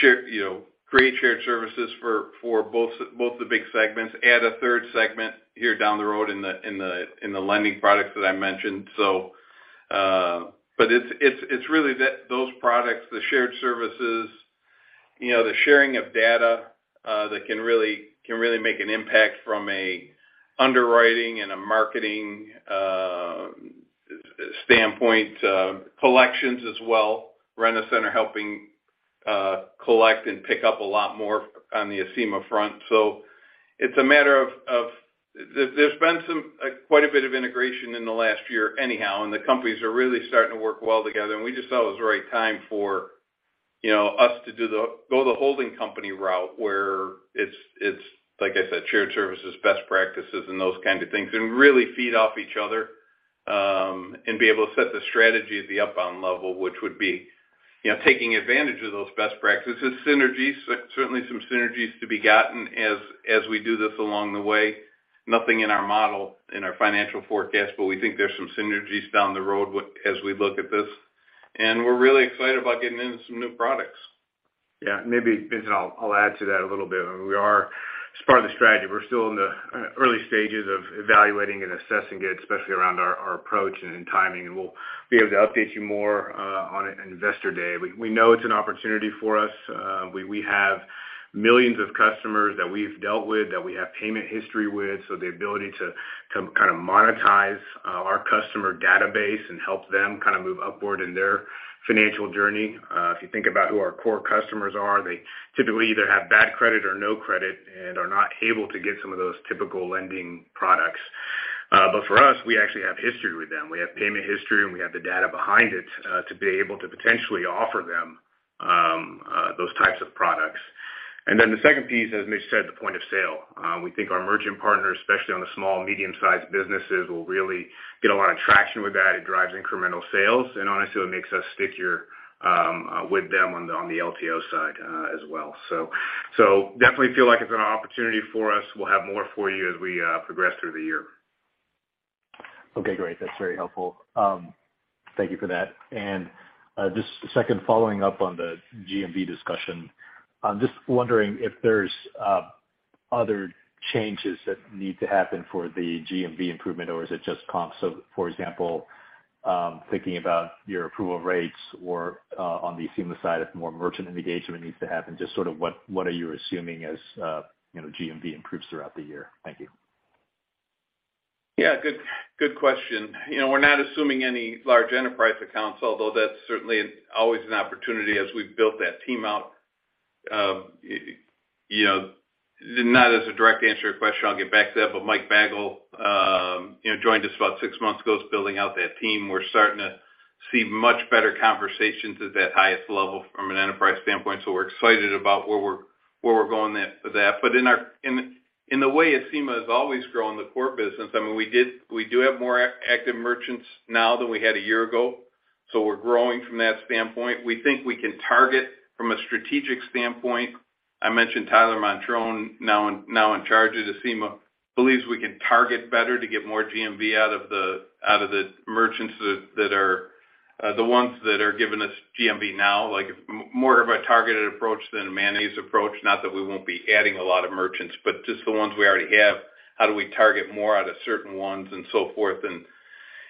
share, you know, create shared services for both the big segments, add a third segment here down the road in the lending products that I mentioned. But it's, it's really that, those products, the shared services, you know, the sharing of data, that can really, can really make an impact from a underwriting and a marketing standpoint, collections as well. Rent-A-Center helping collect and pick up a lot more on the Acima front. It's a matter of. There's been quite a bit of integration in the last year anyhow, and the companies are really starting to work well together. We just thought it was the right time for, you know, us to go the holding company route where it's, like I said, shared services, best practices, and those kinds of things. Really feed off each other, and be able to set the strategy at the Upbound level, which would be, you know, taking advantage of those best practices. Synergies. Certainly some synergies to be gotten as we do this along the way. Nothing in our model, in our financial forecast, but we think there's some synergies down the road as we look at this. We're really excited about getting into some new products. Yeah. Maybe Vincent I'll add to that a little bit. As part of the strategy, we're still in the early stages of evaluating and assessing it, especially around our approach and timing. We'll be able to update you more on Investor Day. We know it's an opportunity for us. We have millions of customers that we've dealt with, that we have payment history with. The ability to kind of monetize our customer database and help them kind of move upward in their financial journey. If you think about who our core customers are, they typically either have bad credit or no credit and are not able to get some of those typical lending products. For us, we actually have history with them. We have payment history, and we have the data behind it, to be able to potentially offer them those types of products. Then the second piece, as Mitch said, the point of sale. We think our merchant partners, especially on the small, medium-sized businesses, will really get a lot of traction with that. It drives incremental sales. Honestly, it makes us stickier with them on the LTO side as well. Definitely feel like it's an opportunity for us. We'll have more for you as we progress through the year. Okay great. That's very helpful. Thank you for that. Just second, following up on the GMV discussion, I'm just wondering if there's other changes that need to happen for the GMV improvement, or is it just comps? For example, thinking about your approval rates or on the Acima side, if more merchant engagement needs to happen. Just sort of what are you assuming as, you know, GMV improves throughout the year? Thank you. Yeah good question. You know, we're not assuming any large enterprise accounts, although that's certainly always an opportunity as we've built that team out. You know, not as a direct answer to your question, I'll get back to that. Mike Bagull, you know, joined us about six months ago, is building out that team. We're starting to see much better conversations at that highest level from an enterprise standpoint. We're excited about where we're going at with that. In the way Acima has always grown the core business, I mean, we do have more active merchants now than we had a year ago, we're growing from that standpoint. We think we can target from a strategic standpoint. I mentioned Tyler Montrone, now in charge of Acima, believes we can target better to get more GMV out of the merchants that are the ones that are giving us GMV now. Like, more of a targeted approach than a mayonnaise approach. Not that we won't be adding a lot of merchants, but just the ones we already have, how do we target more out of certain ones and so forth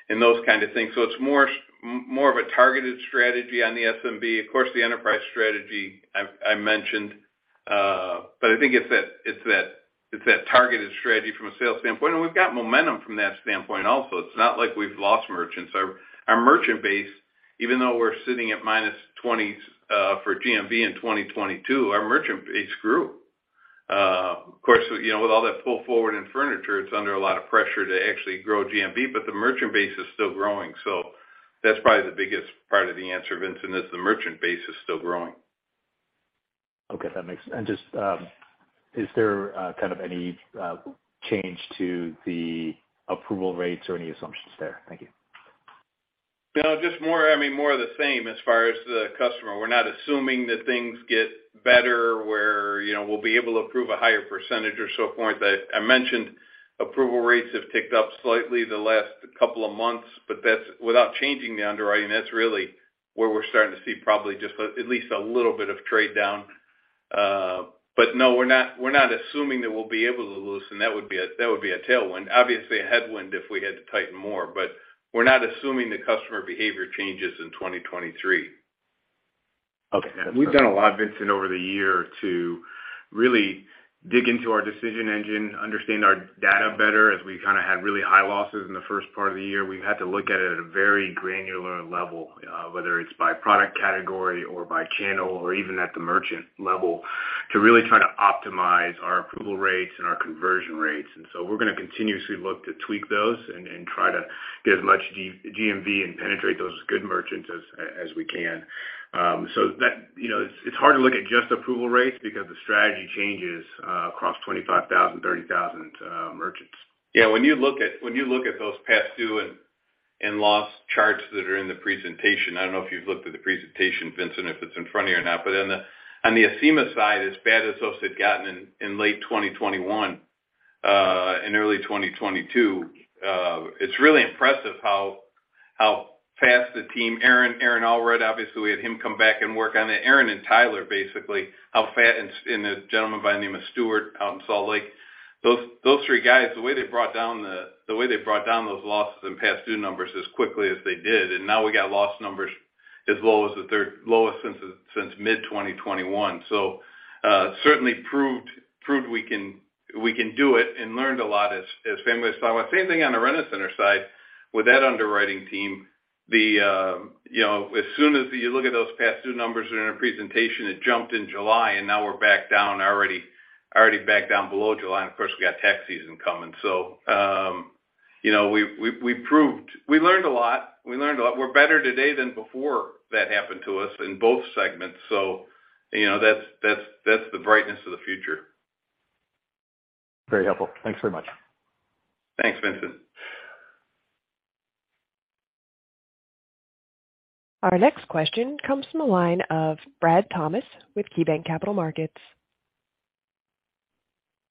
and those kind of things. It's more of a targeted strategy on the SMB. Of course, the enterprise strategy I mentioned, but I think it's that targeted strategy from a sales standpoint. We've got momentum from that standpoint also. It's not like we've lost merchants. Our merchant base, even though we're sitting at -20% for GMV in 2022, our merchant base grew. Of course, you know, with all that pull forward in furniture, it's under a lot of pressure to actually grow GMV, the merchant base is still growing. That's probably the biggest part of the answer, Vincent, is the merchant base is still growing. Okay. That makes... Just, is there kind of any change to the approval rates or any assumptions there? Thank you. Just more, I mean, more of the same as far as the customer. We're not assuming that things get better where, you know, we'll be able to approve a higher percentage or so forth. I mentioned approval rates have ticked up slightly the last couple of months, that's without changing the underwriting. That's really where we're starting to see probably just at least a little bit of trade down. No, we're not assuming that we'll be able to loosen. That would be a tailwind. Obviously, a headwind if we had to tighten more, we're not assuming the customer behavior changes in 2023. Okay. We've done a lot, Vincent, over the year to Really dig into our decision engine, understand our data better. As we kind of had really high losses in the first part of the year, we've had to look at it at a very granular level, whether it's by product category or by channel or even at the merchant level, to really try to optimize our approval rates and our conversion rates. So we're gonna continuously look to tweak those and try to get as much GMV and penetrate those good merchants as we can. So that, you know, it's hard to look at just approval rates because the strategy changes across 25,000, 30,000 merchants. Yeah. When you look at those past due and loss charts that are in the presentation, I don't know if you've looked at the presentation, Vincent, if it's in front of you or not. On the Acima side, as bad as those had gotten in late 2021 and early 2022, it's really impressive how fast the team... Aaron Allred, obviously we had him come back and work on it. Aaron and Tyler, basically, how fast, and a gentleman by the name of Stuart out in Salt Lake, those three guys, the way they brought down those losses and past due numbers as quickly as they did, and now we got loss numbers as low as the third lowest since mid-2021. Certainly proved we can do it and learned a lot as Fahmi is talking about. Same thing on the Rent-A-Center side with that underwriting team. You know, as soon as you look at those past due numbers that are in our presentation, it jumped in July, and now we're back down already back down below July. Of course, we got tax season coming. You know, we've proved. We learned a lot. We learned a lot. We're better today than before that happened to us in both segments. You know, that's the brightness of the future. Very helpful. Thanks very much. Thanks Vincent. Our next question comes from the line of Brad Thomas with KeyBanc Capital Markets.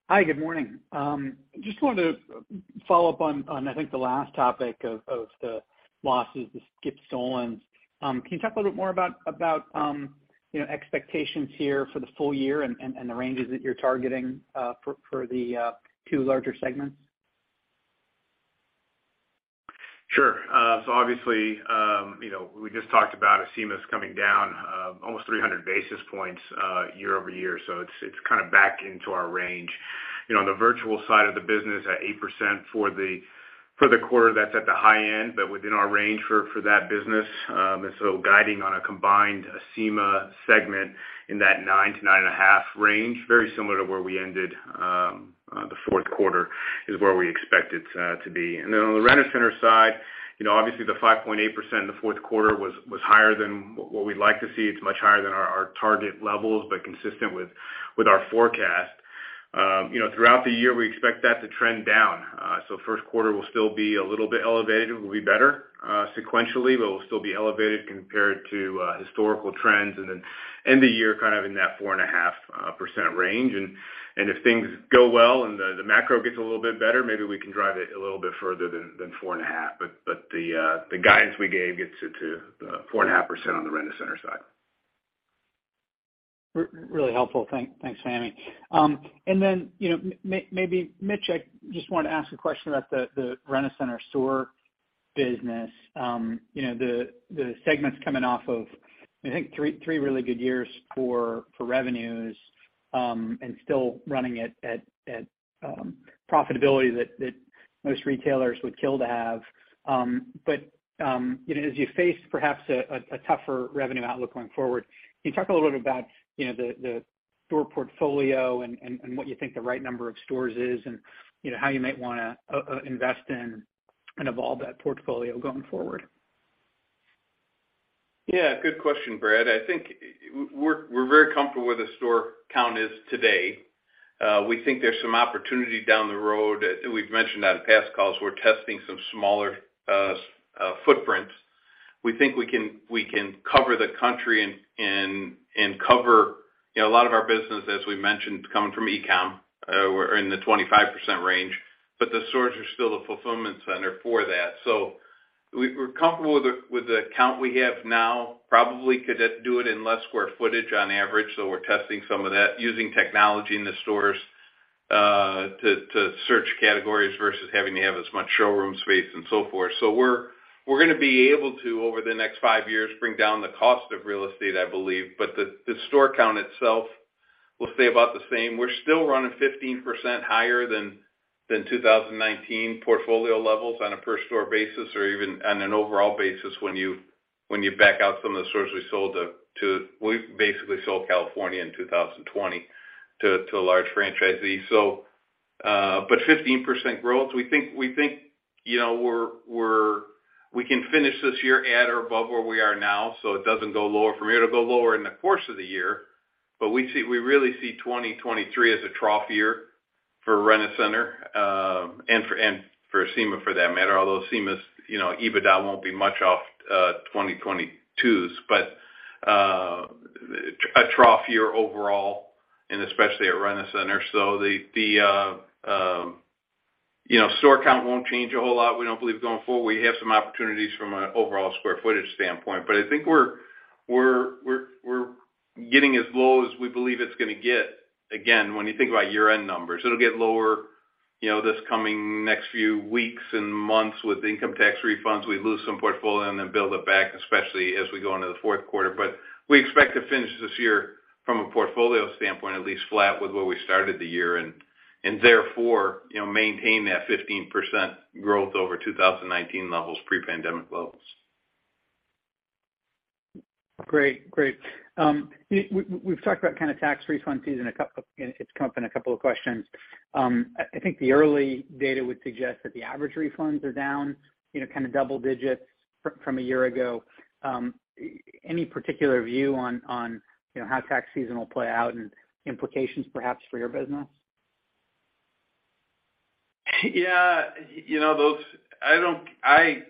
Hi good morning just wanted to follow up on, I think the last topic of the losses, the skips/stolens. Can you talk a little bit more about, you know, expectations here for the full year and the ranges that you're targeting for the two larger segments? Sure Acima's coming down almost 300 basis points year-over-year. It's kind of back into our range. On the virtual side of the business at 8% for the quarter, that's at the high end, but within our range for that business. Guiding on a combined Acima segment in that 9%-9.5% range, very similar to where we ended the fourth quarter is where we expect it to be. On the Rent-A-Center side, the 5.8% in the fourth quarter was higher than what we'd like to see. It's much higher than our target levels, but consistent with our forecast. You know, throughout the year, we expect that to trend down. First quarter will still be a little bit elevated. It will be better, sequentially, but it will still be elevated compared to historical trends. End the year kind of in that 4.5% range. If things go well and the macro gets a little bit better, maybe we can drive it a little bit further than 4.5%. The guidance we gave gets it to 4.5% on the Rent-A-Center side. Really helpful. Thanks, Sammy. Then, you know, maybe Mitch, I just wanted to ask a question about the Rent-A-Center store business. You know, the segment's coming off of, I think three really good years for revenues and still running at profitability that most retailers would kill to have. You know, as you face perhaps a tougher revenue outlook going forward, can you talk a little bit about, you know, the store portfolio and what you think the right number of stores is and, you know, how you might wanna invest in and evolve that portfolio going forward? Yeah good question Brad. I think we're very comfortable where the store count is today. We think there's some opportunity down the road. We've mentioned that in past calls. We're testing some smaller footprints. We think we can cover the country and cover, you know, a lot of our business, as we mentioned, is coming from e-commerce. We're in the 25% range, but the stores are still the fulfillment center for that. We're comfortable with the count we have now. Probably could do it in less square footage on average, so we're testing some of that using technology in the stores, to search categories versus having to have as much showroom space and so forth. We're gonna be able to, over the next five years, bring down the cost of real estate, I believe. The store count itself will stay about the same. We're still running 15% higher than 2019 portfolio levels on a per store basis or even on an overall basis when you back out some of the stores we sold. We basically sold California in 2020 to a large franchisee. 15% growth, we think, you know, we can finish this year at or above where we are now, so it doesn't go lower from here. It'll go lower in the course of the year, we really see 2023 as a trough year for Rent-A-Center, and for Acima for that matter. Although Acima's, you know, EBITDA won't be much off 2022's. A trough year overall and especially at Rent-A-Center. The, you know, store count won't change a whole lot, we don't believe, going forward. We have some opportunities from an overall square footage standpoint. I think we're getting as low as we believe it's gonna get. Again, when you think about year-end numbers, it'll get lower. You know, this coming next few weeks and months with income tax refunds, we lose some portfolio and then build it back, especially as we go into the fourth quarter. We expect to finish this year from a portfolio standpoint, at least flat with where we started the year and therefore, you know, maintain that 15% growth over 2019 levels, pre-pandemic levels. Great. Great. We've talked about kind of tax refund season. It's come up in a couple of questions. I think the early data would suggest that the average refunds are down, you know, kind of double digits from a year ago. Any particular view on, you know, how tax season will play out and implications perhaps for your business? You know, I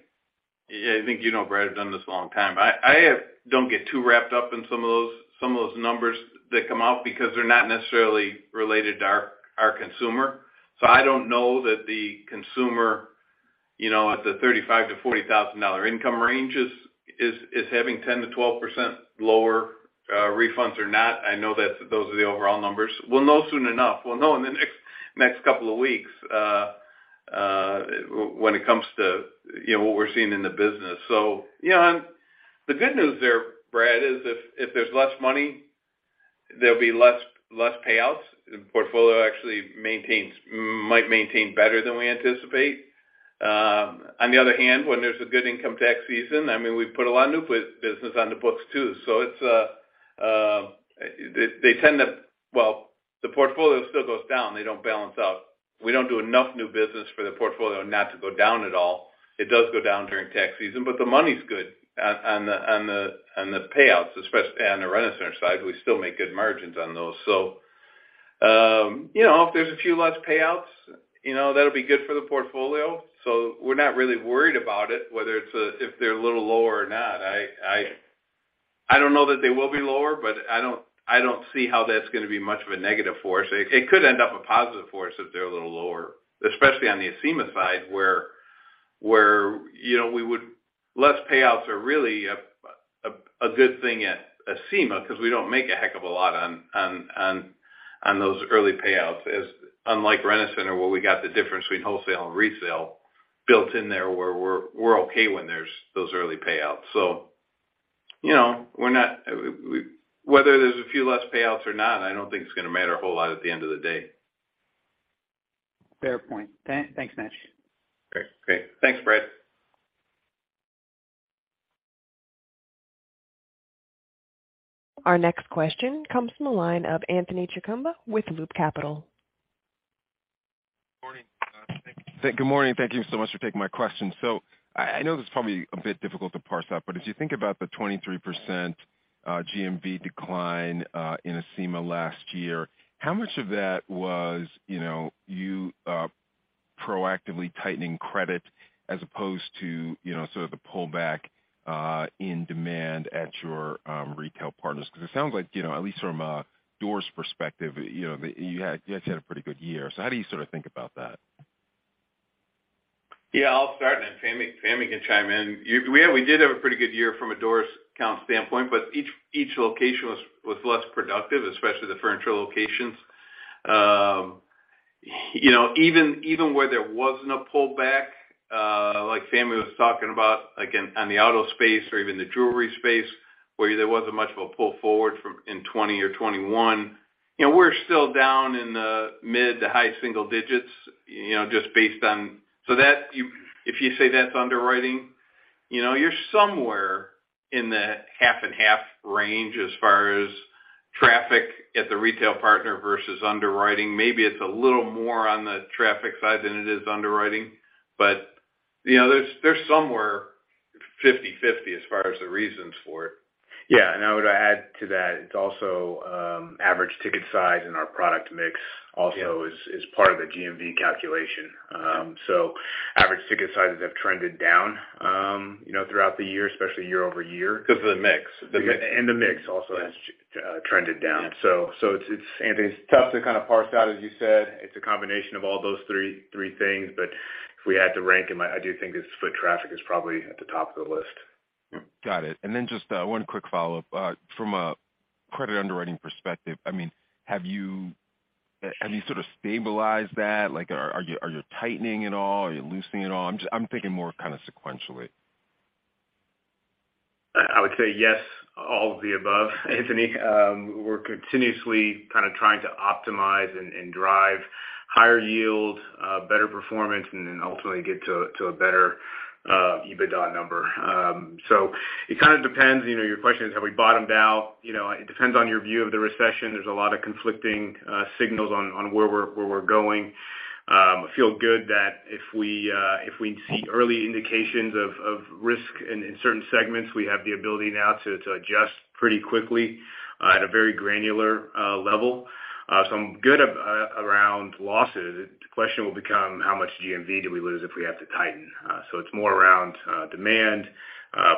think you know, Brad, I've done this a long time. I don't get too wrapped up in some of those numbers that come out because they're not necessarily related to our consumer. I don't know that the consumer, you know, at the $35,000-$40,000 income range is having 10%-12% lower refunds or not. I know that those are the overall numbers. We'll know soon enough. We'll know in the next couple of weeks when it comes to, you know, what we're seeing in the business. You know, the good news there, Brad, is if there's less money, there'll be less payouts. The portfolio actually might maintain better than we anticipate. On the other hand, when there's a good income tax season, I mean, we put a lot of new business on the books too. They tend to. Well, the portfolio still goes down. They don't balance out. We don't do enough new business for the portfolio not to go down at all. It does go down during tax season, but the money's good on the payouts, especially on the Rent-A-Center side. We still make good margins on those. You know, if there's a few less payouts, you know, that'll be good for the portfolio. We're not really worried about it, whether it's if they're a little lower or not. I don't know that they will be lower, but I don't see how that's gonna be much of a negative for us. It could end up a positive for us if they're a little lower, especially on the Acima side, where, you know, less payouts are really a good thing at Acima 'cause we don't make a heck of a lot on those early payouts, as unlike Rent-A-Center, where we got the difference between wholesale and resale built in there, where we're okay when there's those early payouts. You know, we're not whether there's a few less payouts or not, I don't think it's gonna matter a whole lot at the end of the day. Fair point. Thanks Mitch. Great. Great. Thanks Brad. Our next question comes from the line of Anthony Chukumba with Loop Capital. Morning good morning. Thank you so much for taking my question. I know this is probably a bit difficult to parse out, but as you think about the 23% GMV decline in Acima last year, how much of that was, you know, you proactively tightening credit as opposed to, you know, sort of the pullback in demand at your retail partners? It sounds like, you know, at least from a doors perspective, you actually had a pretty good year. How do you sort of think about that? I'll start then Fahmi can chime in. We did have a pretty good year from a doors count standpoint, each location was less productive, especially the furniture locations. you know, even where there wasn't a pullback, like Fahmi was talking about, again, on the auto space or even the jewelry space, where there wasn't much of a pull forward in 2020 or 2021, you know, we're still down in the mid-to-high single digits, you know, just based on. If you say that's underwriting, you know, you're somewhere in the 50/50 range as far as traffic at the retail partner versus underwriting. Maybe it's a little more on the traffic side than it is underwriting. you know, they're somewhere 50/50 as far as the reasons for it. Yeah. I would add to that, it's also, average ticket size and our product mix also. Yeah Is part of the GMV calculation. Average ticket sizes have trended down, you know, throughout the year, especially year-over-year. Because of the mix. The mix. The mix also has trended down. It's Anthony, it's tough to kind of parse out, as you said. It's a combination of all those three things. If we had to rank them, I do think it's foot traffic is probably at the top of the list. Got it. Just one quick follow-up. From a credit underwriting perspective, I mean, have you sort of stabilized that? Like, are you tightening at all? Are you loosening at all? I'm thinking more kind of sequentially. I would say yes, all of the above, Anthony. We're continuously kind of trying to optimize and drive higher yield, better performance, and ultimately get to a better EBITDA number. It kind of depends, you know, your question is, have we bottomed out? You know, it depends on your view of the recession. There's a lot of conflicting signals on where we're going. I feel good that if we see early indications of risk in certain segments, we have the ability now to adjust pretty quickly at a very granular level. I'm good around losses. The question will become how much GMV do we lose if we have to tighten? It's more around demand,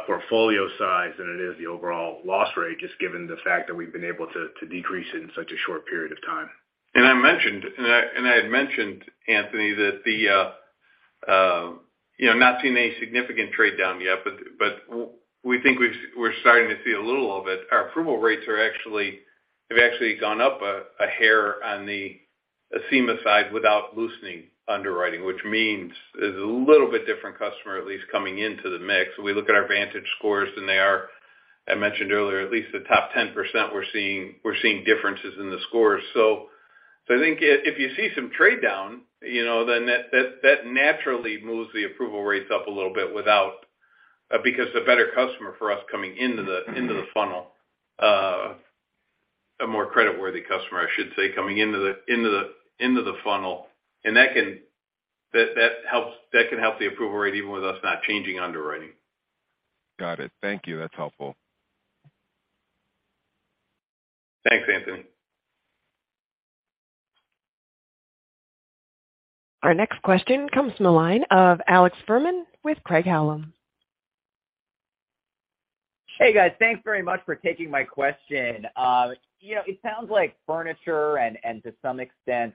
portfolio size than it is the overall loss rate, just given the fact that we've been able to decrease it in such a short period of time. I had mentioned, Anthony, that, you know, not seeing any significant trade-down yet, but we think we're starting to see a little of it. Our approval rates have actually gone up a hair on the Acima side without loosening underwriting, which means there's a little bit different customer at least coming into the mix. We look at our VantageScore scores, and they are, I mentioned earlier, at least the top 10% we're seeing differences in the scores. I think if you see some trade-down, you know, then that naturally moves the approval rates up a little bit without. Because the better customer for us coming into the funnel, a more creditworthy customer, I should say, coming into the funnel, and that can... That helps. That can help the approval rate even with us not changing underwriting. Got it. Thank you. That's helpful. Thanks Anthony. Our next question comes from the line of Alex Fuhrman with Craig-Hallum. Hey guys. Thanks very much for taking my question. You know, it sounds like furniture and to some extent,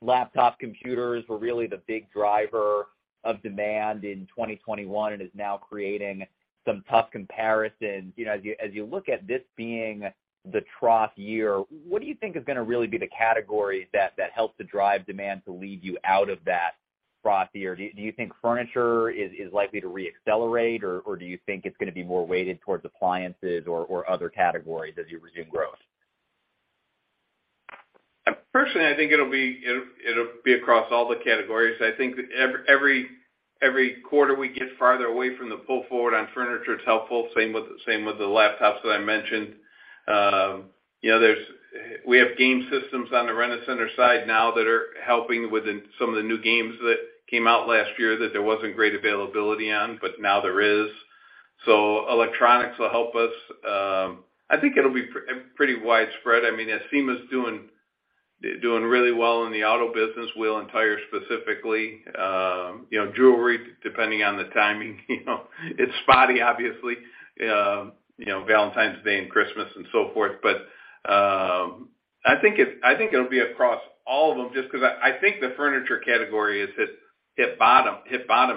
laptop computers were really the big driver of demand in 2021 and is now creating some tough comparisons. You know, as you look at this being the trough year, what do you think is gonna really be the category that helps to drive demand to lead you out of that trough year? Do you think furniture is likely to reaccelerate, or do you think it's gonna be more weighted towards appliances or other categories as you resume growth? Personally, I think it'll be across all the categories. I think every quarter we get farther away from the pull forward on furniture, it's helpful. Same with the laptops that I mentioned. You know, we have game systems on the Rent-A-Center side now that are helping within some of the new games that came out last year that there wasn't great availability on, but now there is. Electronics will help us. I think it'll be pretty widespread. I mean, Acima's doing really well in the auto business, wheel and tire specifically. You know, jewelry, depending on the timing, you know. It's spotty, obviously. You know, Valentine's Day and Christmas and so forth. I think it'll be across all of them just 'cause I think the furniture category is hit bottom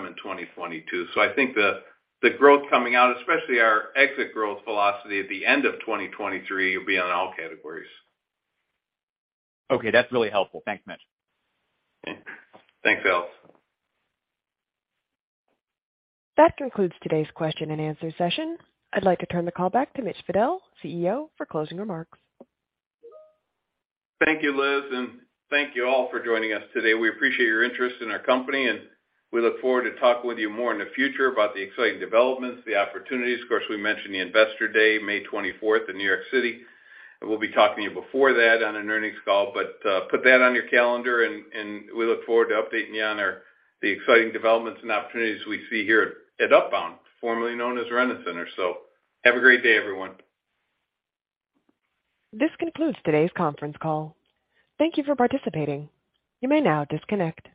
in 2022. I think the growth coming out, especially our exit growth velocity at the end of 2023 will be on all categories. Okay, that's really helpful. Thanks, Mitch. Thanks Alex. That concludes today's question and answer session. I'd like to turn the call back to Mitch Fadel, CEO, for closing remarks. Thank you Liz, and thank you all for joining us today. We appreciate your interest in our company, and we look forward to talking with you more in the future about the exciting developments, the opportunities. Of course, we mentioned the Investor Day, May 24th in New York City, and we'll be talking to you before that on an earnings call. Put that on your calendar and we look forward to updating you on the exciting developments and opportunities we see here at Upbound, formerly known as Rent-A-Center. Have a great day, everyone. This concludes today's conference call. Thank you for participating. You may now disconnect.